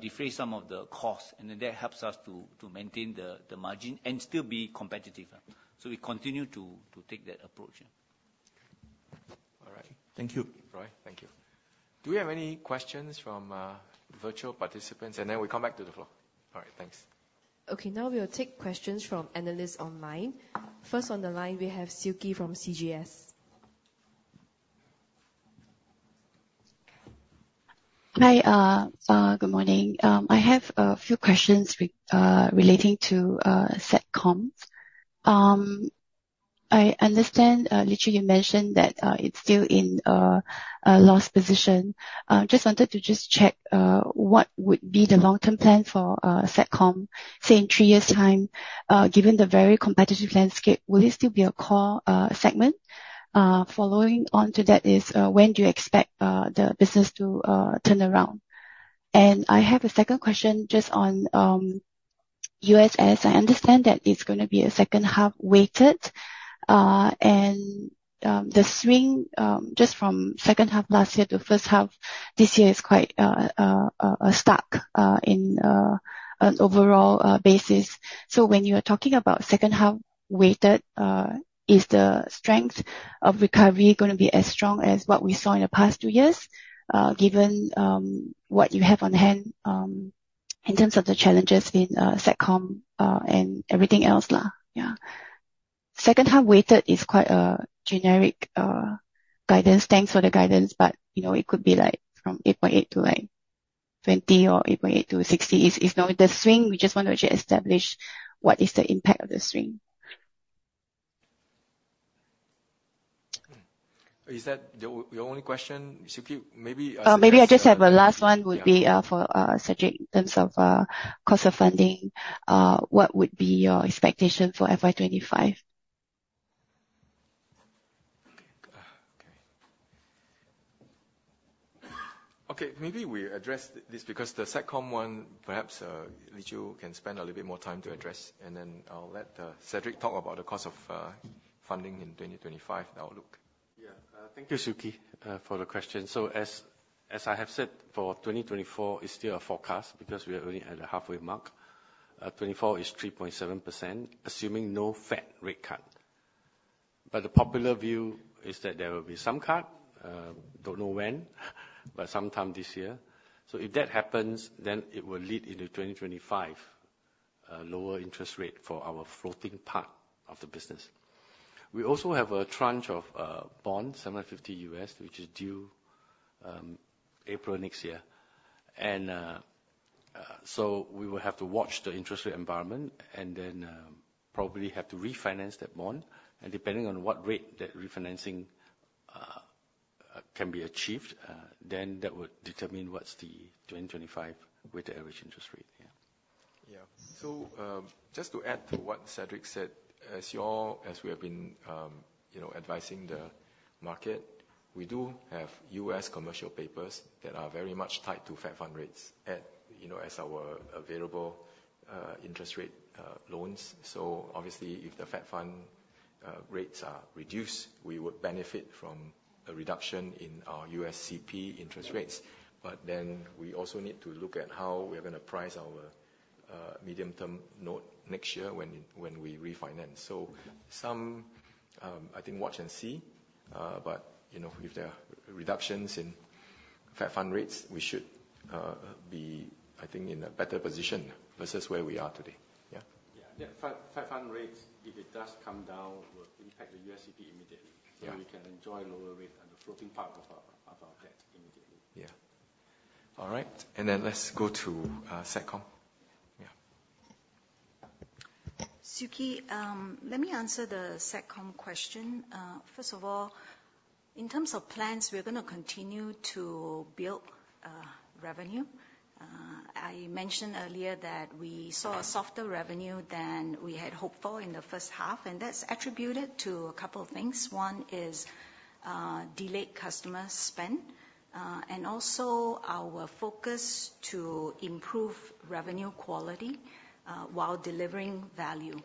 I: defray some of the costs, and then that helps us to, to maintain the, the margin and still be competitive. So we continue to, to take that approach in.
C: All right.
I: Thank you.
C: Roy, thank you. Do we have any questions from virtual participants? And then we'll come back to the floor. All right, thanks.
A: Okay, now we'll take questions from analysts online. First on the line, we have Siew Khee from CGS.
J: Hi, good morning. I have a few questions relating to Satcom. I understand, Lee Chew, you mentioned that it's still in a loss position. Just wanted to check what would be the long-term plan for Satcom, say, in three years' time, given the very competitive landscape, will it still be a core segment? Following on to that is when do you expect the business to turn around? And I have a second question, just on USS. I understand that it's gonna be a second half weighted, and the swing just from second half last year to first half this year is quite stark on an overall basis. So when you are talking about second half-weighted, is the strength of recovery gonna be as strong as what we saw in the past two years, given what you have on hand, in terms of the challenges with Satcom and everything else there? Yeah. Second half-weighted is quite a generic guidance. Thanks for the guidance, but, you know, it could be, like, from 8.8 to, like, 20 or 8.8 to 60. It's not the swing. We just want to actually establish what is the impact of the swing.
C: Is that the only question, Siew Khee? Maybe,
J: Maybe I just have a last one for Cedric, in terms of cost of funding, what would be your expectation for FY 2025?
C: Okay, maybe we address this because the Satcom one, perhaps, Lee Chew can spend a little bit more time to address, and then I'll let Cedric talk about the cost of funding in 2025 outlook.
B: Yeah. Thank you, Siew Khee, for the question. So as I have said, for 2024, it's still a forecast because we are only at the halfway mark. 2024 is 3.7%, assuming no Fed rate cut. But the popular view is that there will be some cut, don't know when, but sometime this year. So if that happens, then it will lead into 2025, lower interest rate for our floating part of the business. We also have a tranche of bonds, 750 million, which is due April next year. And so we will have to watch the interest rate environment and then probably have to refinance that bond. And depending on what rate that refinancing can be achieved, then that would determine what's the 2025 weighted average interest rate.
F: Yeah. So, just to add to what Cedric said, as you all, as we have been, you know, advising the market, we do have US commercial papers that are very much tied to Fed Fund rates at, you know, as our available, interest rate, loans. So obviously, if the Fed Fund rates are reduced, we would benefit from a reduction in our USCP interest rates. But then we also need to look at how we are gonna price our, medium-term note next year when, when we refinance. So some, I think watch and see, but, you know, if there are reductions in Fed Fund rates, we should, be, I think, in a better position versus where we are today. Yeah?
I: Yeah. Yeah, Fed, Fed Fund rates, if it does come down, will impact the USCP immediately. So we can enjoy lower rate and the floating part of our debt immediately.
C: Yeah. All right. And then let's go to Satcom.
E: Siew Khee, let me answer the Satcom question. First of all, in terms of plans, we're gonna continue to build revenue. I mentioned earlier that we saw a softer revenue than we had hoped for in the first half, and that's attributed to a couple of things. One is delayed customer spend, and also our focus to improve revenue quality while delivering value.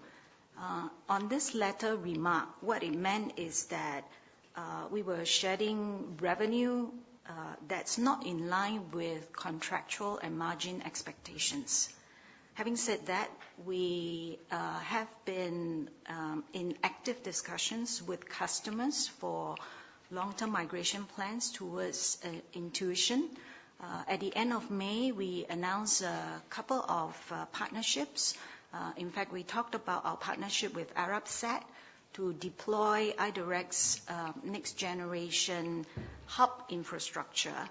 E: On this latter remark, what it meant is that we were shedding revenue that's not in line with contractual and margin expectations. Having said that, we have been in active discussions with customers for long-term migration plans towards Intuition. At the end of May, we announced a couple of partnerships. In fact, we talked about our partnership with Arabsat to deploy iDirect's next generation hub infrastructure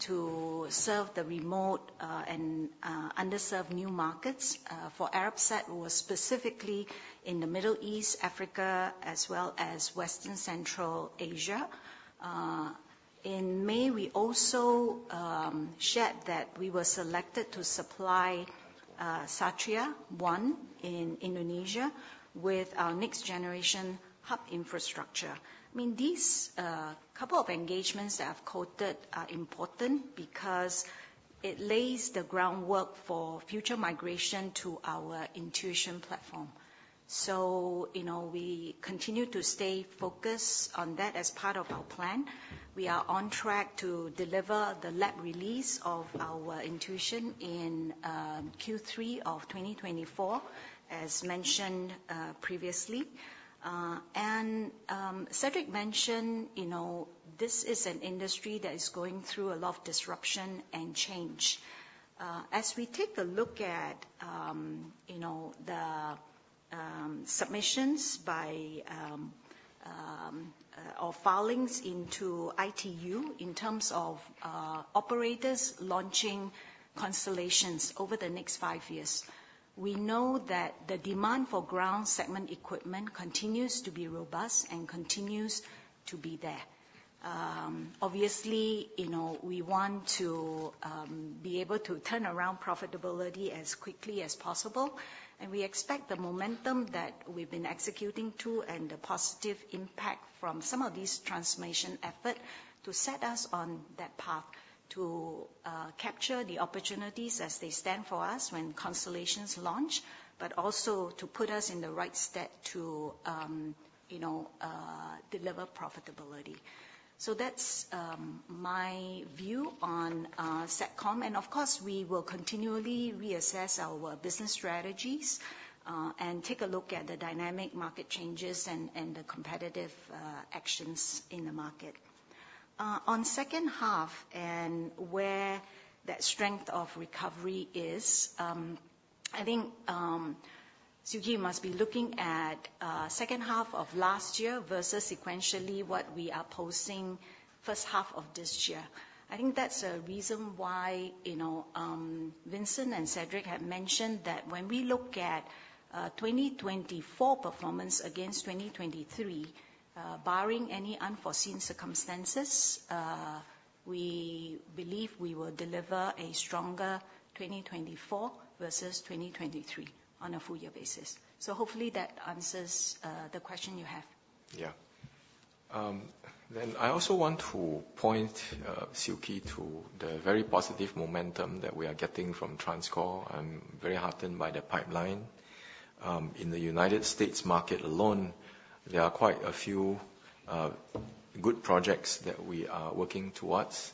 E: to serve the remote and underserved new markets. For Arabsat, was specifically in the Middle East, Africa, as well as Western Central Asia. In May, we also shared that we were selected to supply Satria-1 in Indonesia with our next generation hub infrastructure. I mean, these couple of engagements that I've quoted are important because it lays the groundwork for future migration to our Intuition platform. So, you know, we continue to stay focused on that as part of our plan. We are on track to deliver the lab release of our Intuition in Q3 of 2024, as mentioned previously. And Cedric mentioned, you know, this is an industry that is going through a lot of disruption and change. As we take a look at, you know, the submissions by or filings into ITU in terms of operators launching constellations over the next five years, we know that the demand for ground segment equipment continues to be robust and continues to be there. Obviously, you know, we want to be able to turn around profitability as quickly as possible, and we expect the momentum that we've been executing to, and the positive impact from some of these transformation effort, to set us on that path to capture the opportunities as they stand for us when constellations launch, but also to put us in the right step to, you know, deliver profitability. So that's my view on Satcom. And of course, we will continually reassess our business strategies and take a look at the dynamic market changes and the competitive actions in the market. On second half and where that strength of recovery is, I think, Siew Khee, you must be looking at second half of last year versus sequentially what we are posting first half of this year. I think that's a reason why, you know, Vincent and Cedric have mentioned that when we look at 2024 performance against 2023, barring any unforeseen circumstances, we believe we will deliver a stronger 2024 versus 2023 on a full year basis. So hopefully that answers the question you have.
F: Yeah. Then I also want to point, Siew Khee, to the very positive momentum that we are getting from TransCore. I'm very heartened by the pipeline. In the United States market alone, there are quite a few good projects that we are working towards.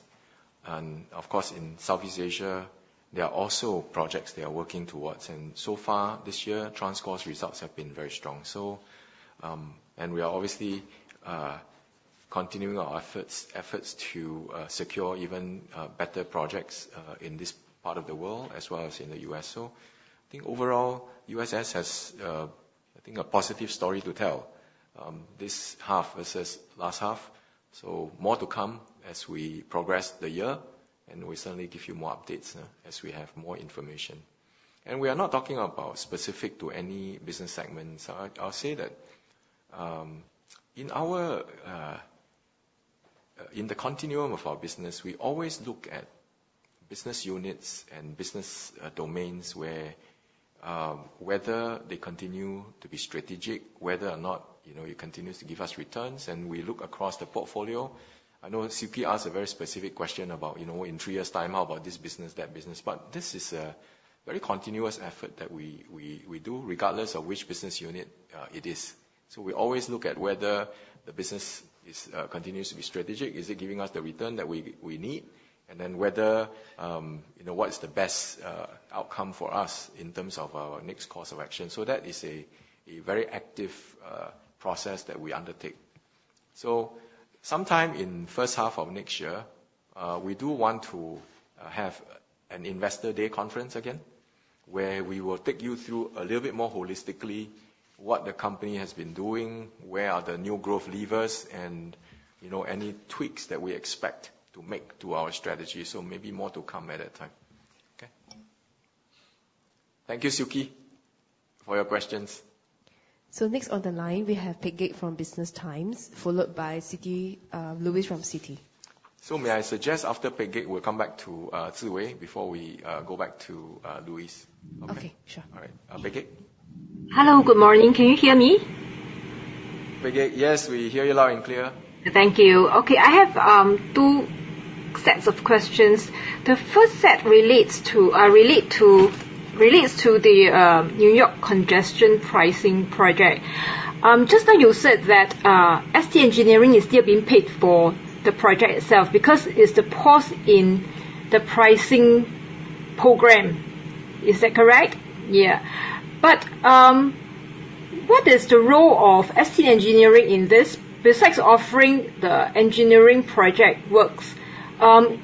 F: And of course, in Southeast Asia, there are also projects they are working towards, and so far this year, TransCore's results have been very strong. So, and we are obviously continuing our efforts to secure even better projects in this part of the world, as well as in the U.S. So I think overall, USS has, I think, a positive story to tell, this half versus last half. So more to come as we progress the year, and we certainly give you more updates as we have more information. We are not talking about specific to any business segments. I'll say that, in our, in the continuum of our business, we always look at business units and business, domains where, whether they continue to be strategic, whether or not, you know, it continues to give us returns, and we look across the portfolio. I know CP asked a very specific question about, you know, in three years' time, how about this business, that business? But this is a very continuous effort that we do, regardless of which business unit, it is. So we always look at whether the business is, continues to be strategic. Is it giving us the return that we need? And then whether, you know, what is the best, outcome for us in terms of our next course of action. So that is a very active process that we undertake. So sometime in first half of next year, we do want to have an Investor Day conference again, where we will take you through a little bit more holistically, what the company has been doing, where are the new growth levers, and you know, any tweaks that we expect to make to our strategy. So maybe more to come at that time.
C: Okay? Thank you, Siew Khee, for your questions.
A: Next on the line, we have Peggy from Business Times, followed by Luis, from Citi.
C: So may I suggest after Peggy, we'll come back to Zhiwei, before we go back to Luis? Okay.
A: Okay, sure.
C: All right. Peggy?
K: Hello, good morning. Can you hear me?
C: Peggy, yes, we hear you loud and clear.
K: Thank you. Okay, I have two sets of questions. The first set relates to the New York congestion pricing project. Just now you said that ST Engineering is still being paid for the project itself because it's the pause in the pricing program. Is that correct? Yeah. But what is the role of ST Engineering in this, besides offering the engineering project works?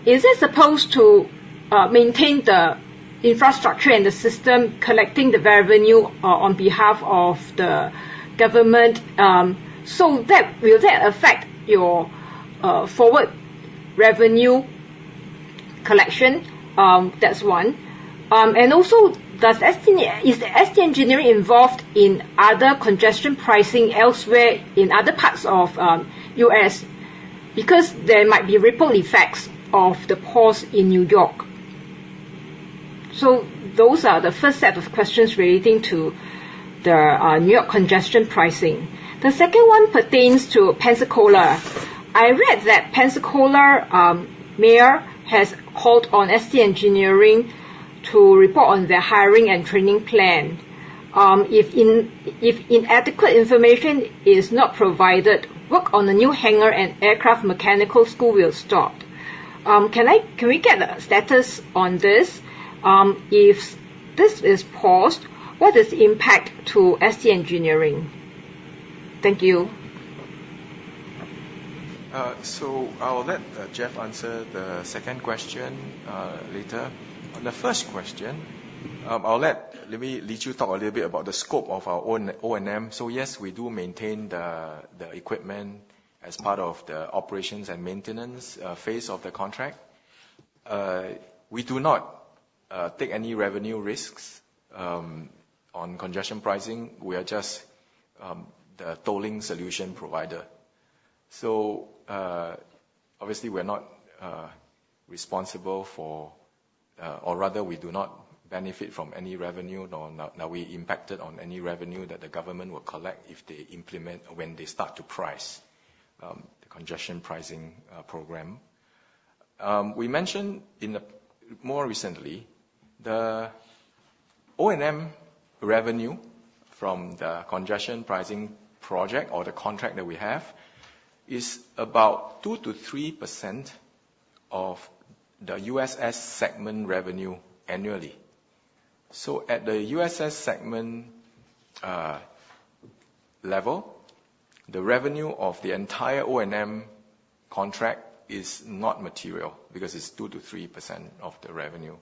K: Is it supposed to maintain the infrastructure and the system, collecting the revenue on behalf of the government? So that will that affect your forward revenue collection? That's one. And also, does ST Engineering involved in other congestion pricing elsewhere in other parts of the U.S.? Because there might be ripple effects of the pause in New York. So those are the first set of questions relating to the New York congestion pricing. The second one pertains to Pensacola. I read that Pensacola mayor has called on ST Engineering to report on their hiring and training plan. If inadequate information is not provided, work on the new hangar and aircraft mechanical school will stop. Can we get a status on this? If this is paused, what is the impact to ST Engineering? Thank you.
C: I'll let Jeff answer the second question later. On the first question, I'll let Lee Chew talk a little bit about the scope of our own O&M. So yes, we do maintain the equipment as part of the operations and maintenance phase of the contract. We do not take any revenue risks on congestion pricing. We are just the tolling solution provider. So obviously, we're not responsible for-- or rather, we do not benefit from any revenue, nor are we impacted on any revenue that the government will collect if they implement or when they start to price the congestion pricing program. We mentioned more recently, the O&M revenue from the congestion pricing project or the contract that we have, is about 2%-3% of the USS segment revenue annually. So at the USS segment level, the revenue of the entire O&M contract is not material because it's 2%-3% of the revenue.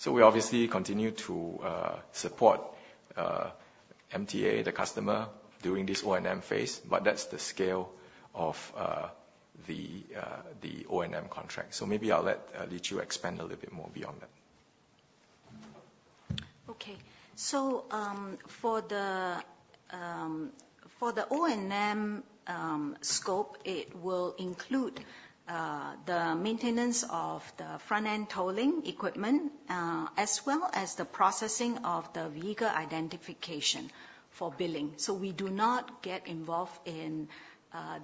C: So we obviously continue to support MTA, the customer, during this O&M phase, but that's the scale of the O&M contract. So maybe I'll let Lee expand a little bit more beyond that.
E: Okay. So, for the O&M scope, it will include the maintenance of the front-end tolling equipment as well as the processing of the vehicle identification for billing. So we do not get involved in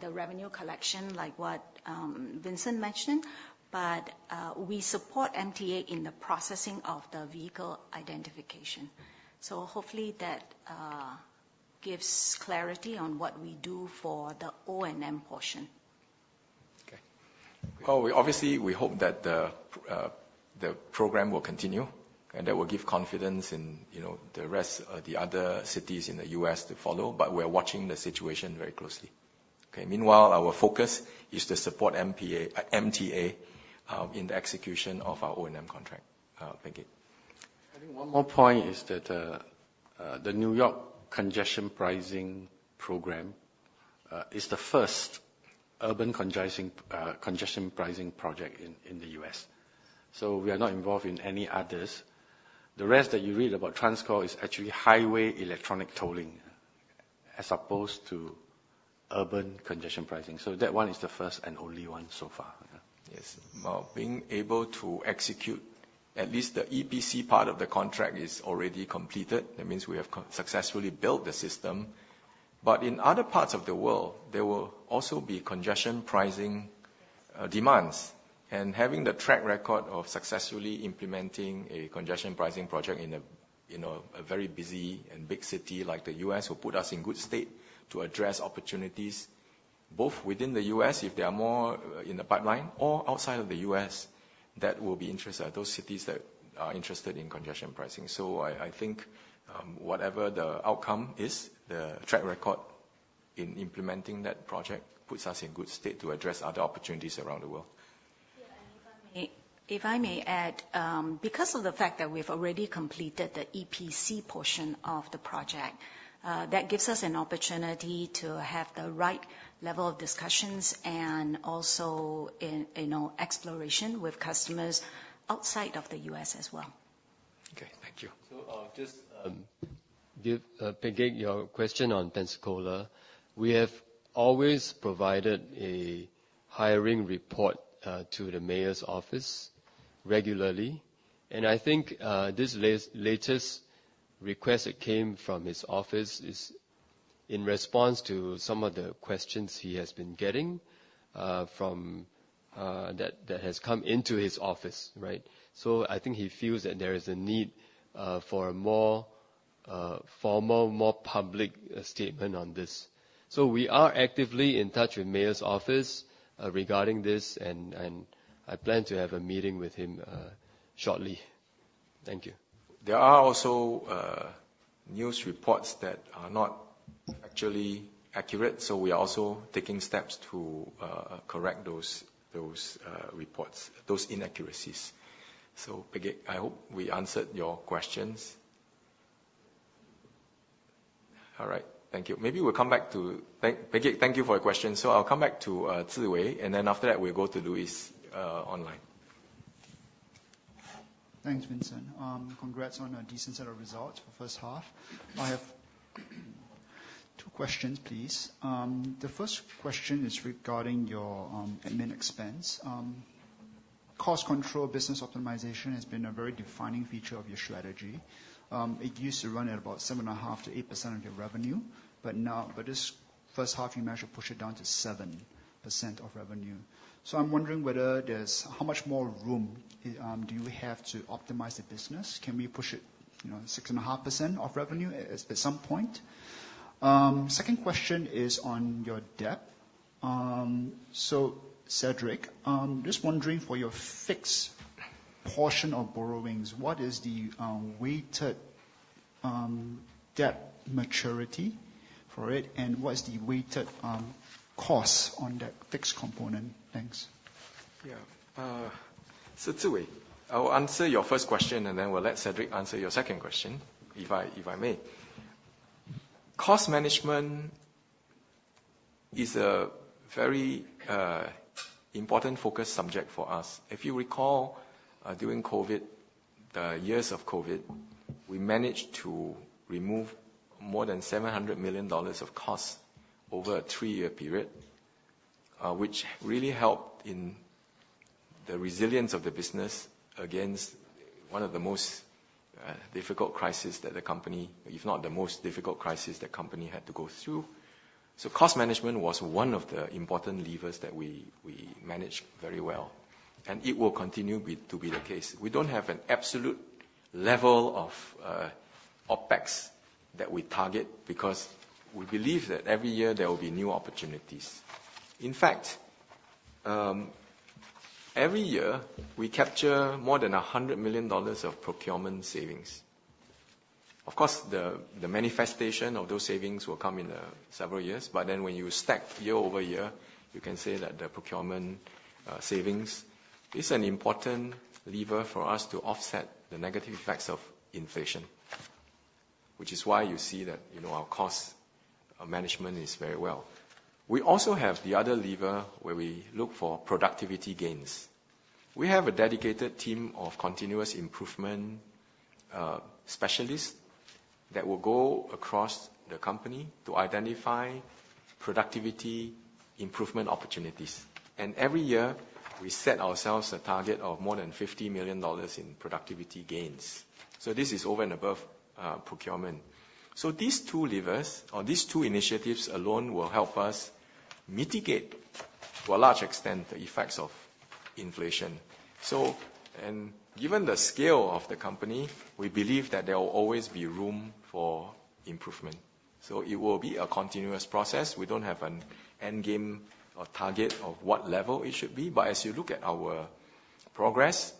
E: the revenue collection, like what Vincent mentioned, but we support MTA in the processing of the vehicle identification. So hopefully that gives clarity on what we do for the O&M portion.
C: Okay. Well, we obviously, we hope that the, the program will continue, and that will give confidence in, you know, the rest of the other cities in the U.S. to follow, but we're watching the situation very closely. Okay. Meanwhile, our focus is to support MPA, MTA, in the execution of our O&M contract. Thank you.
F: I think one more point is that, the New York congestion pricing program is the first urban congestion pricing project in the U.S. So we are not involved in any others. The rest that you read about TransCore is actually highway electronic tolling, as opposed to urban congestion pricing. So that one is the first and only one so far.
C: Yes. Well, being able to execute at least the EPC part of the contract is already completed. That means we have successfully built the system. But in other parts of the world, there will also be congestion pricing demands. And having the track record of successfully implementing a congestion pricing project in a very busy and big city like the U.S., will put us in good state to address opportunities both within the U.S., if they are more in the pipeline, or outside of the U.S., that will be interested, those cities that are interested in congestion pricing. So I think whatever the outcome is, the track record in implementing that project puts us in good state to address other opportunities around the world.
E: Yeah, and if I may, if I may add, because of the fact that we've already completed the EPC portion of the project, that gives us an opportunity to have the right level of discussions and also an, you know, exploration with customers outside of the U.S. as well.
C: Okay, thank you.
I: So, just give Peggy on your question on Pensacola. We have always provided a hiring report to the mayor's office regularly, and I think this latest request that came from his office is in response to some of the questions he has been getting from that has come into his office, right? So I think he feels that there is a need for a more formal, more public statement on this. So we are actively in touch with mayor's office regarding this, and I plan to have a meeting with him shortly. Thank you.
C: There are also news reports that are not actually accurate, so we are also taking steps to correct those reports, those inaccuracies. So, Peggy, I hope we answered your questions. All right. Thank you. Maybe we'll come back to—Peggy, thank you for your question. So I'll come back to Ziwei, and then after that, we'll go to Luis online.
L: Thanks, Vincent. Congrats on a decent set of results for first half. I have two questions, please. The first question is regarding your admin expense. Cost control business optimization has been a very defining feature of your strategy. It used to run at about 7.5%-8% of your revenue, but now but this first half, you managed to push it down to 7% of revenue. So I'm wondering whether there's-- How much more room do you have to optimize the business? Can we push it, you know, 6.5% of revenue at some point? Second question is on your debt. So, Cedric, just wondering for your fixed portion of borrowings, what is the weighted debt maturity for it, and what is the weighted cost on that fixed component? Thanks.
C: Yeah. So Zhiwei, I will answer your first question, and then we'll let Cedric answer your second question, if I, if I may. Cost management is a very important focus subject for us. If you recall, during COVID, the years of COVID, we managed to remove more than 700 million dollars of costs over a three-year period, which really helped in the resilience of the business against one of the most difficult crisis that the company, if not the most difficult crisis the company had to go through. So cost management was one of the important levers that we, we managed very well, and it will continue to be the case. We don't have an absolute level of OpEx that we target, because we believe that every year there will be new opportunities. In fact, every year, we capture more than SGD 100 million of procurement savings. Of course, the manifestation of those savings will come in several years, but then when you stack year over year, you can say that the procurement savings is an important lever for us to offset the negative effects of inflation, which is why you see that, you know, our cost management is very well. We also have the other lever, where we look for productivity gains. We have a dedicated team of continuous improvement specialists that will go across the company to identify productivity improvement opportunities. And every year, we set ourselves a target of more than 50 million dollars in productivity gains. So this is over and above procurement. So these two levers or these two initiatives alone will help us mitigate, to a large extent, the effects of inflation. Given the scale of the company, we believe that there will always be room for improvement, so it will be a continuous process. We don't have an end game or target of what level it should be, but as you look at our progress,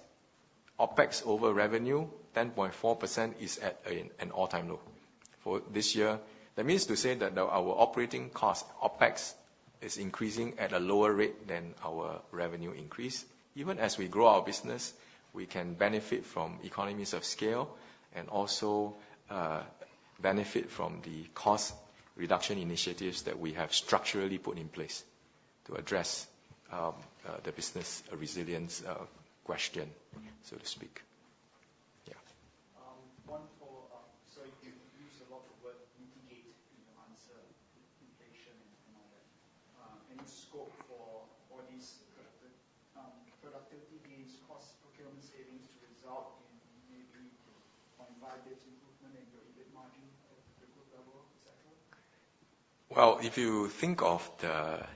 C: OpEx over revenue, 10.4% is at an all-time low. For this year, that means to say that our operating cost, OpEx, is increasing at a lower rate than our revenue increase. Even as we grow our business, we can benefit from economies of scale, and also benefit from the cost reduction initiatives that we have structurally put in place to address the business resilience question so to speak.
L: One follow-up. So you've used a lot of the word mitigate in your answer, inflation and all that. Any scope for all these product, productivity gains, cost procurement savings to result in maybe 0.5 bps improvement in your EBIT margin at the group level, et cetera?
B: Well, if you think of the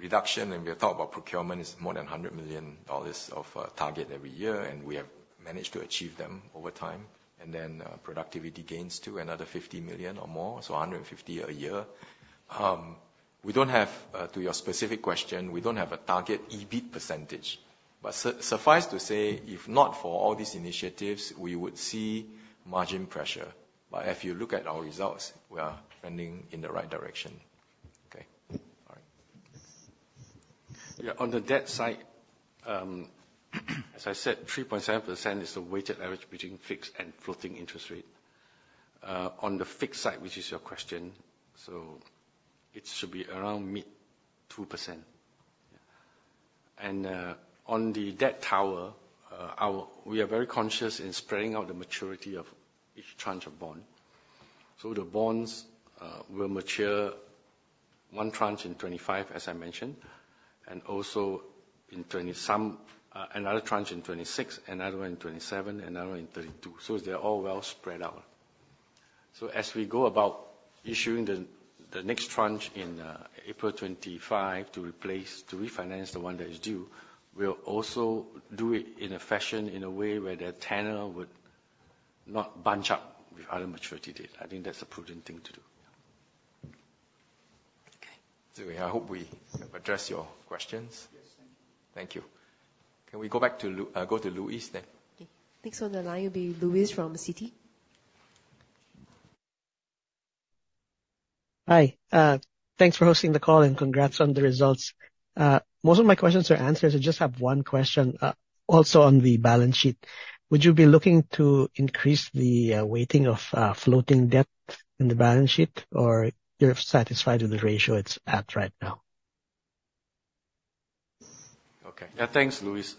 B: reduction, and we have talked about procurement, is more than 100 million dollars of target every year, and we have managed to achieve them over time, and then productivity gains to another 50 million or more, so 150 million a year. To your specific question, we don't have a target EBIT percentage, but suffice to say, if not for all these initiatives, we would see margin pressure. But if you look at our results, we are trending in the right direction.
L: Okay. All right. Thanks.
C: Yeah, on the debt side, as I said, 3.7% is the weighted average between fixed and floating interest rate. On the fixed side, which is your question, so it should be around mid-2%. And on the debt tower, we are very conscious in spreading out the maturity of each tranche of bond. So the bonds will mature one tranche in 2025, as I mentioned, and also another tranche in 2026, another one in 2027, another one in 2032. So they're all well spread out. So as we go about issuing the next tranche in April 2025 to replace, to refinance the one that is due, we'll also do it in a fashion, in a way where the tenor would not bunch up with other maturity date. I think that's a prudent thing to do.
L: Okay.
C: Yeah, I hope we have addressed your questions.
L: Yes, thank you.
C: Thank you. Can we go back to Luis then?
A: Okay. Next on the line will be Luis from Citi.
M: Hi, thanks for hosting the call, and congrats on the results. Most of my questions are answered. I just have one question, also on the balance sheet. Would you be looking to increase the weighting of floating debt in the balance sheet, or you're satisfied with the ratio it's at right now?
B: Okay. Yeah, thanks, Luis.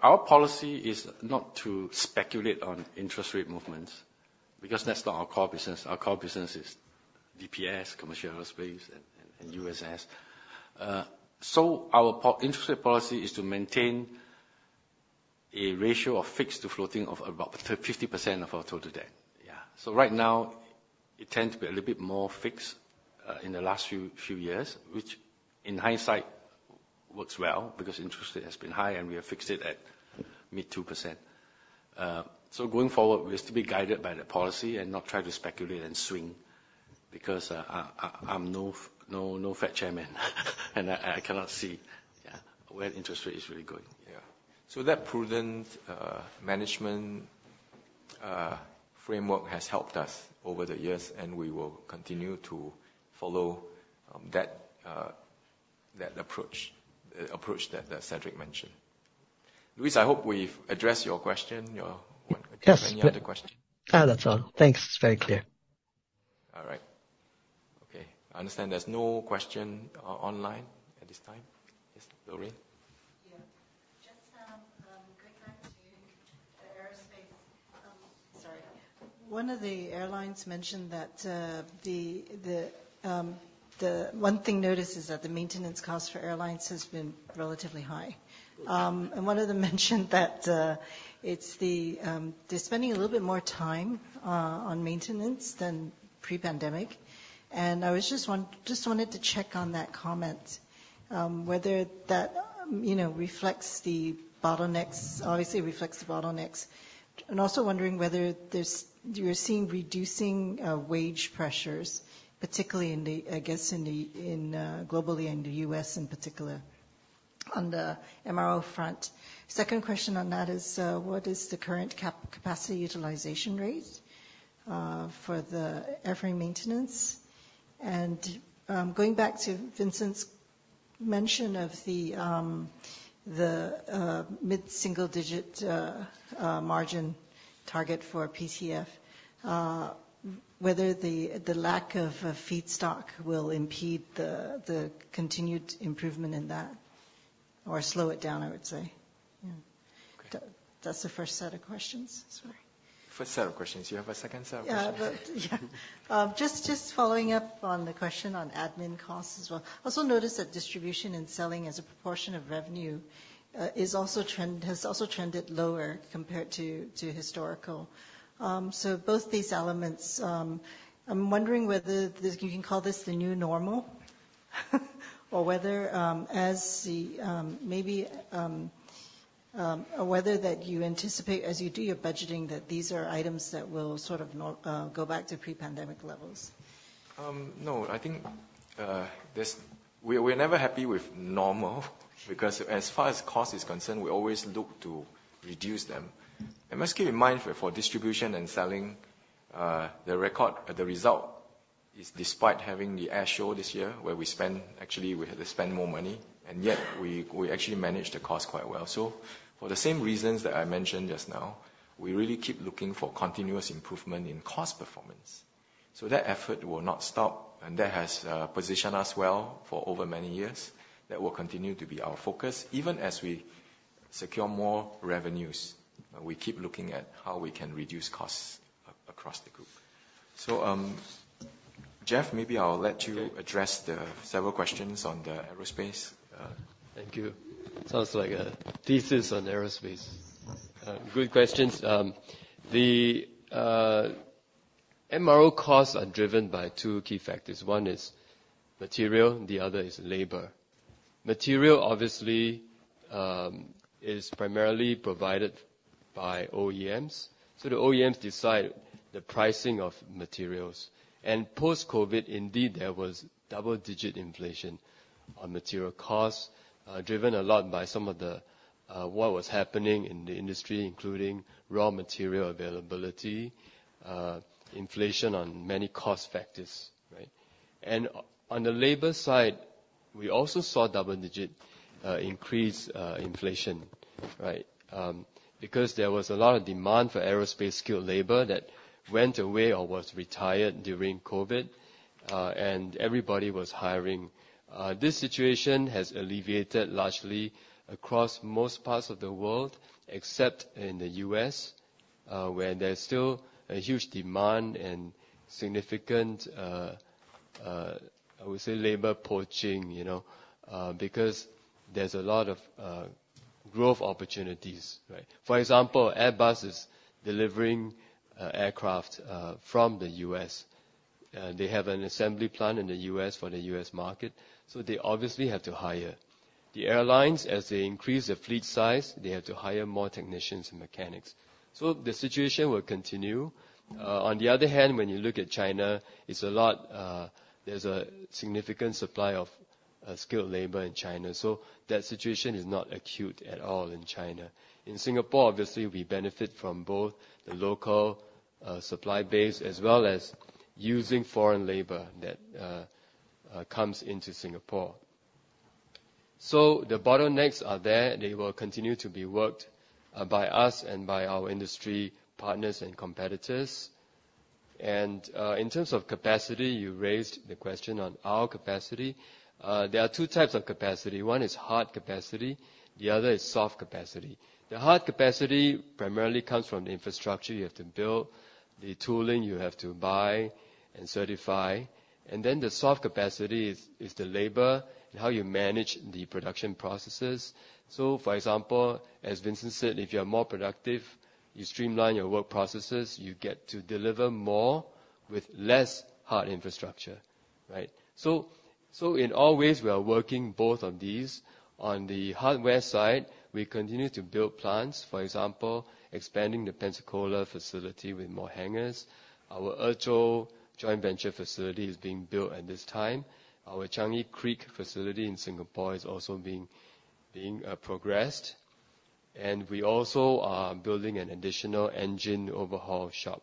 B: Our policy is not to speculate on interest rate movements, because that's not our core business. Our core business is DPS, commercial aerospace, and USS. So our interest policy is to maintain a ratio of fixed to floating of about 50% of our total debt. Yeah. So right now, it tends to be a little bit more fixed in the last few years, which, in hindsight, works well, because interest rate has been high and we have fixed it at mid-2%. So going forward, we're still be guided by the policy and not try to speculate and swing, because I'm no Fed Chairman, and I cannot see where interest rate is really going. Yeah.
C: So that prudent management framework has helped us over the years, and we will continue to follow that approach, the approach that Cedric mentioned. Luis, I hope we've addressed your question, your--Any other question?
M: That's all. Thanks, it's very clear.
F: All right. Okay. I understand there's no question online at this time. Yes, Lorraine?
N: Yeah. Just going back to the aerospace-- Sorry. One of the airlines mentioned that the one thing noticed is that the maintenance cost for airlines has been relatively high. And one of them mentioned that it's the they're spending a little bit more time on maintenance than pre-pandemic, and I was just want- just wanted to check on that comment whether that you know reflects the bottlenecks, obviously reflects the bottlenecks. And also wondering whether there's--you're seeing reducing wage pressures, particularly in the I guess in the in globally, in the U.S. in particular, on the MRO front. Second question on that is what is the current cap- capacity utilization rate for the heavy maintenance? Going back to Vincent's mention of the mid-single-digit margin target for PTF, whether the lack of feedstock will impede the continued improvement in that, or slow it down, I would say? Yeah. That's the first set of questions. Sorry.
C: First set of questions. You have a second set of questions?
N: Yeah, but yeah. Just following up on the question on admin costs as well. I also noticed that distribution and selling as a proportion of revenue is also trend has also trended lower compared to historical. So both these elements, I'm wondering whether this you can call this the new normal, or whether as the maybe or whether that you anticipate, as you do your budgeting, that these are items that will sort of nor- go back to pre-pandemic levels.
C: No, I think we're never happy with normal, because as far as cost is concerned, we always look to reduce them. And must keep in mind, for distribution and selling, the record, the result is despite having the air show this year, where we actually had to spend more money, and yet we actually managed the cost quite well. So for the same reasons that I mentioned just now, we really keep looking for continuous improvement in cost performance. So that effort will not stop, and that has positioned us well for over many years. That will continue to be our focus. Even as we secure more revenues, we keep looking at how we can reduce costs across the group. So, Jeff, maybe I'll let you address the several questions on the aerospace,
F: Thank you. Sounds like a thesis on aerospace. Good questions. The MRO costs are driven by two key factors. One is material, the other is labor. Material, obviously, is primarily provided by OEMs, so the OEMs decide the pricing of materials. And post-COVID, indeed, there was double-digit inflation on material costs, driven a lot by some of the what was happening in the industry, including raw material availability, inflation on many cost factors, right? And on the labor side, we also saw double digit increase, inflation, right? Because there was a lot of demand for aerospace skilled labor that went away or was retired during COVID, and everybody was hiring. This situation has alleviated largely across most parts of the world, except in the U.S., where there's still a huge demand and significant, I would say, labor poaching, you know? Because there's a lot of growth opportunities, right? For example, Airbus is delivering aircraft from the U.S. They have an assembly plant in the U.S. for the U.S. market, so they obviously have to hire. The airlines, as they increase their fleet size, they have to hire more technicians and mechanics. So the situation will continue. On the other hand, when you look at China, there's a significant supply of skilled labor in China, so that situation is not acute at all in China. In Singapore, obviously, we benefit from both the local supply base, as well as using foreign labor that comes into Singapore. So the bottlenecks are there. They will continue to be worked by us and by our industry partners and competitors. In terms of capacity, you raised the question on our capacity. There are two types of capacity. One is hard capacity, the other is soft capacity. The hard capacity primarily comes from the infrastructure you have to build, the tooling you have to buy and certify, and then the soft capacity is the labor and how you manage the production processes. So for example, as Vincent said, if you are more productive, you streamline your work processes, you get to deliver more with less hard infrastructure, right? So in all ways, we are working both on these. On the hardware side, we continue to build plants, for example, expanding the Pensacola facility with more hangars. Our Ezhou joint venture facility is being built at this time. Our Changi Creek facility in Singapore is also being progressed. We also are building an additional engine overhaul shop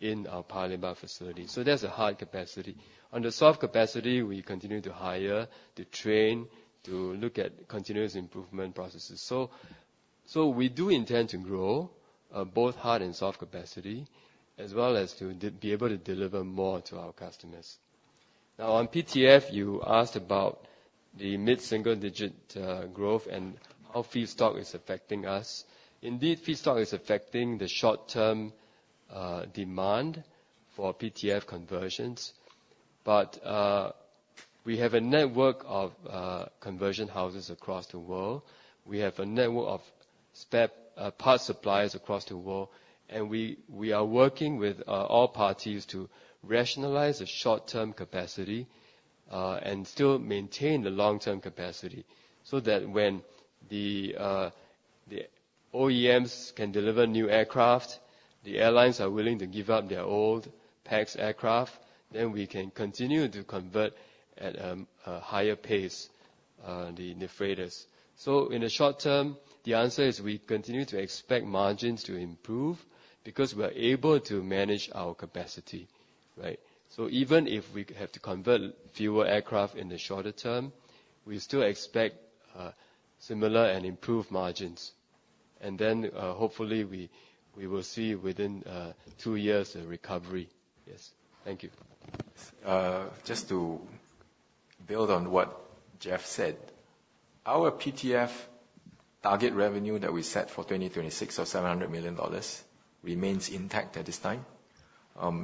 F: in our Paya Lebar facility, so that's the hard capacity. On the soft capacity, we continue to hire, to train, to look at continuous improvement processes. So we do intend to grow both hard and soft capacity, as well as to be able to deliver more to our customers. Now, on PTF, you asked about the mid-single digit growth and how feedstock is affecting us. Indeed, feedstock is affecting the short-term demand for PTF conversions, but we have a network of conversion houses across the world. We have a network of spare part suppliers across the world, and we are working with all parties to rationalize the short-term capacity, and still maintain the long-term capacity, so that when the OEMs can deliver new aircraft, the airlines are willing to give up their old PAX aircraft, then we can continue to convert at a higher pace the freighters. So in the short term, the answer is we continue to expect margins to improve because we are able to manage our capacity, right? So even if we have to convert fewer aircraft in the shorter term, we still expect similar and improved margins. And then, hopefully we will see within two years, a recovery. Yes. Thank you.
C: Just to build on what Jeff said, our PTF target revenue that we set for 2026 of 700 million dollars remains intact at this time.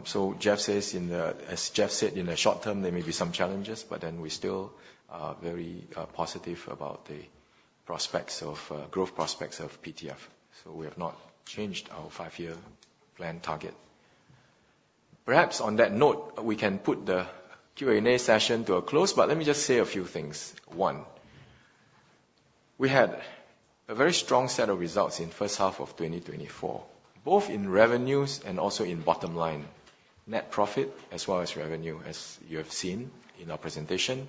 C: So Jeff says in the-- as Jeff said, in the short term, there may be some challenges, but then we still are very positive about the prospects of growth prospects of PTF. So we have not changed our five-year plan target. Perhaps on that note, we can put the Q&A session to a close, but let me just say a few things. One, we had a very strong set of results in first half of 2024, both in revenues and also in bottom line, net profit as well as revenue, as you have seen in our presentation.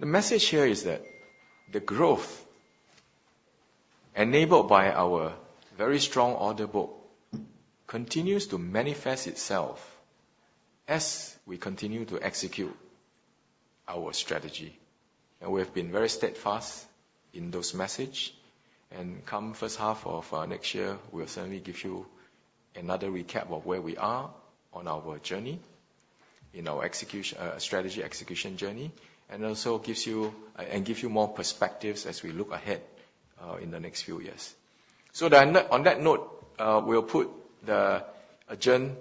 C: The message here is that the growth enabled by our very strong order book continues to manifest itself as we continue to execute our strategy, and we have been very steadfast in those message. And come first half of next year, we'll certainly give you another recap of where we are on our journey, in our strategy execution journey, and also gives you, and gives you more perspectives as we look ahead in the next few years. So then, on that note, we'll adjourn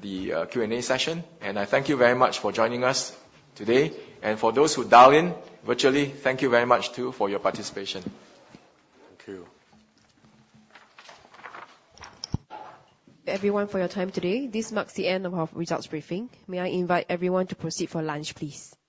C: the Q&A session, and I thank you very much for joining us today. And for those who dialed in virtually, thank you very much, too, for your participation.
F: Thank you.
A: Thank you, everyone, for your time today. This marks the end of our results briefing. May I invite everyone to proceed for lunch, please?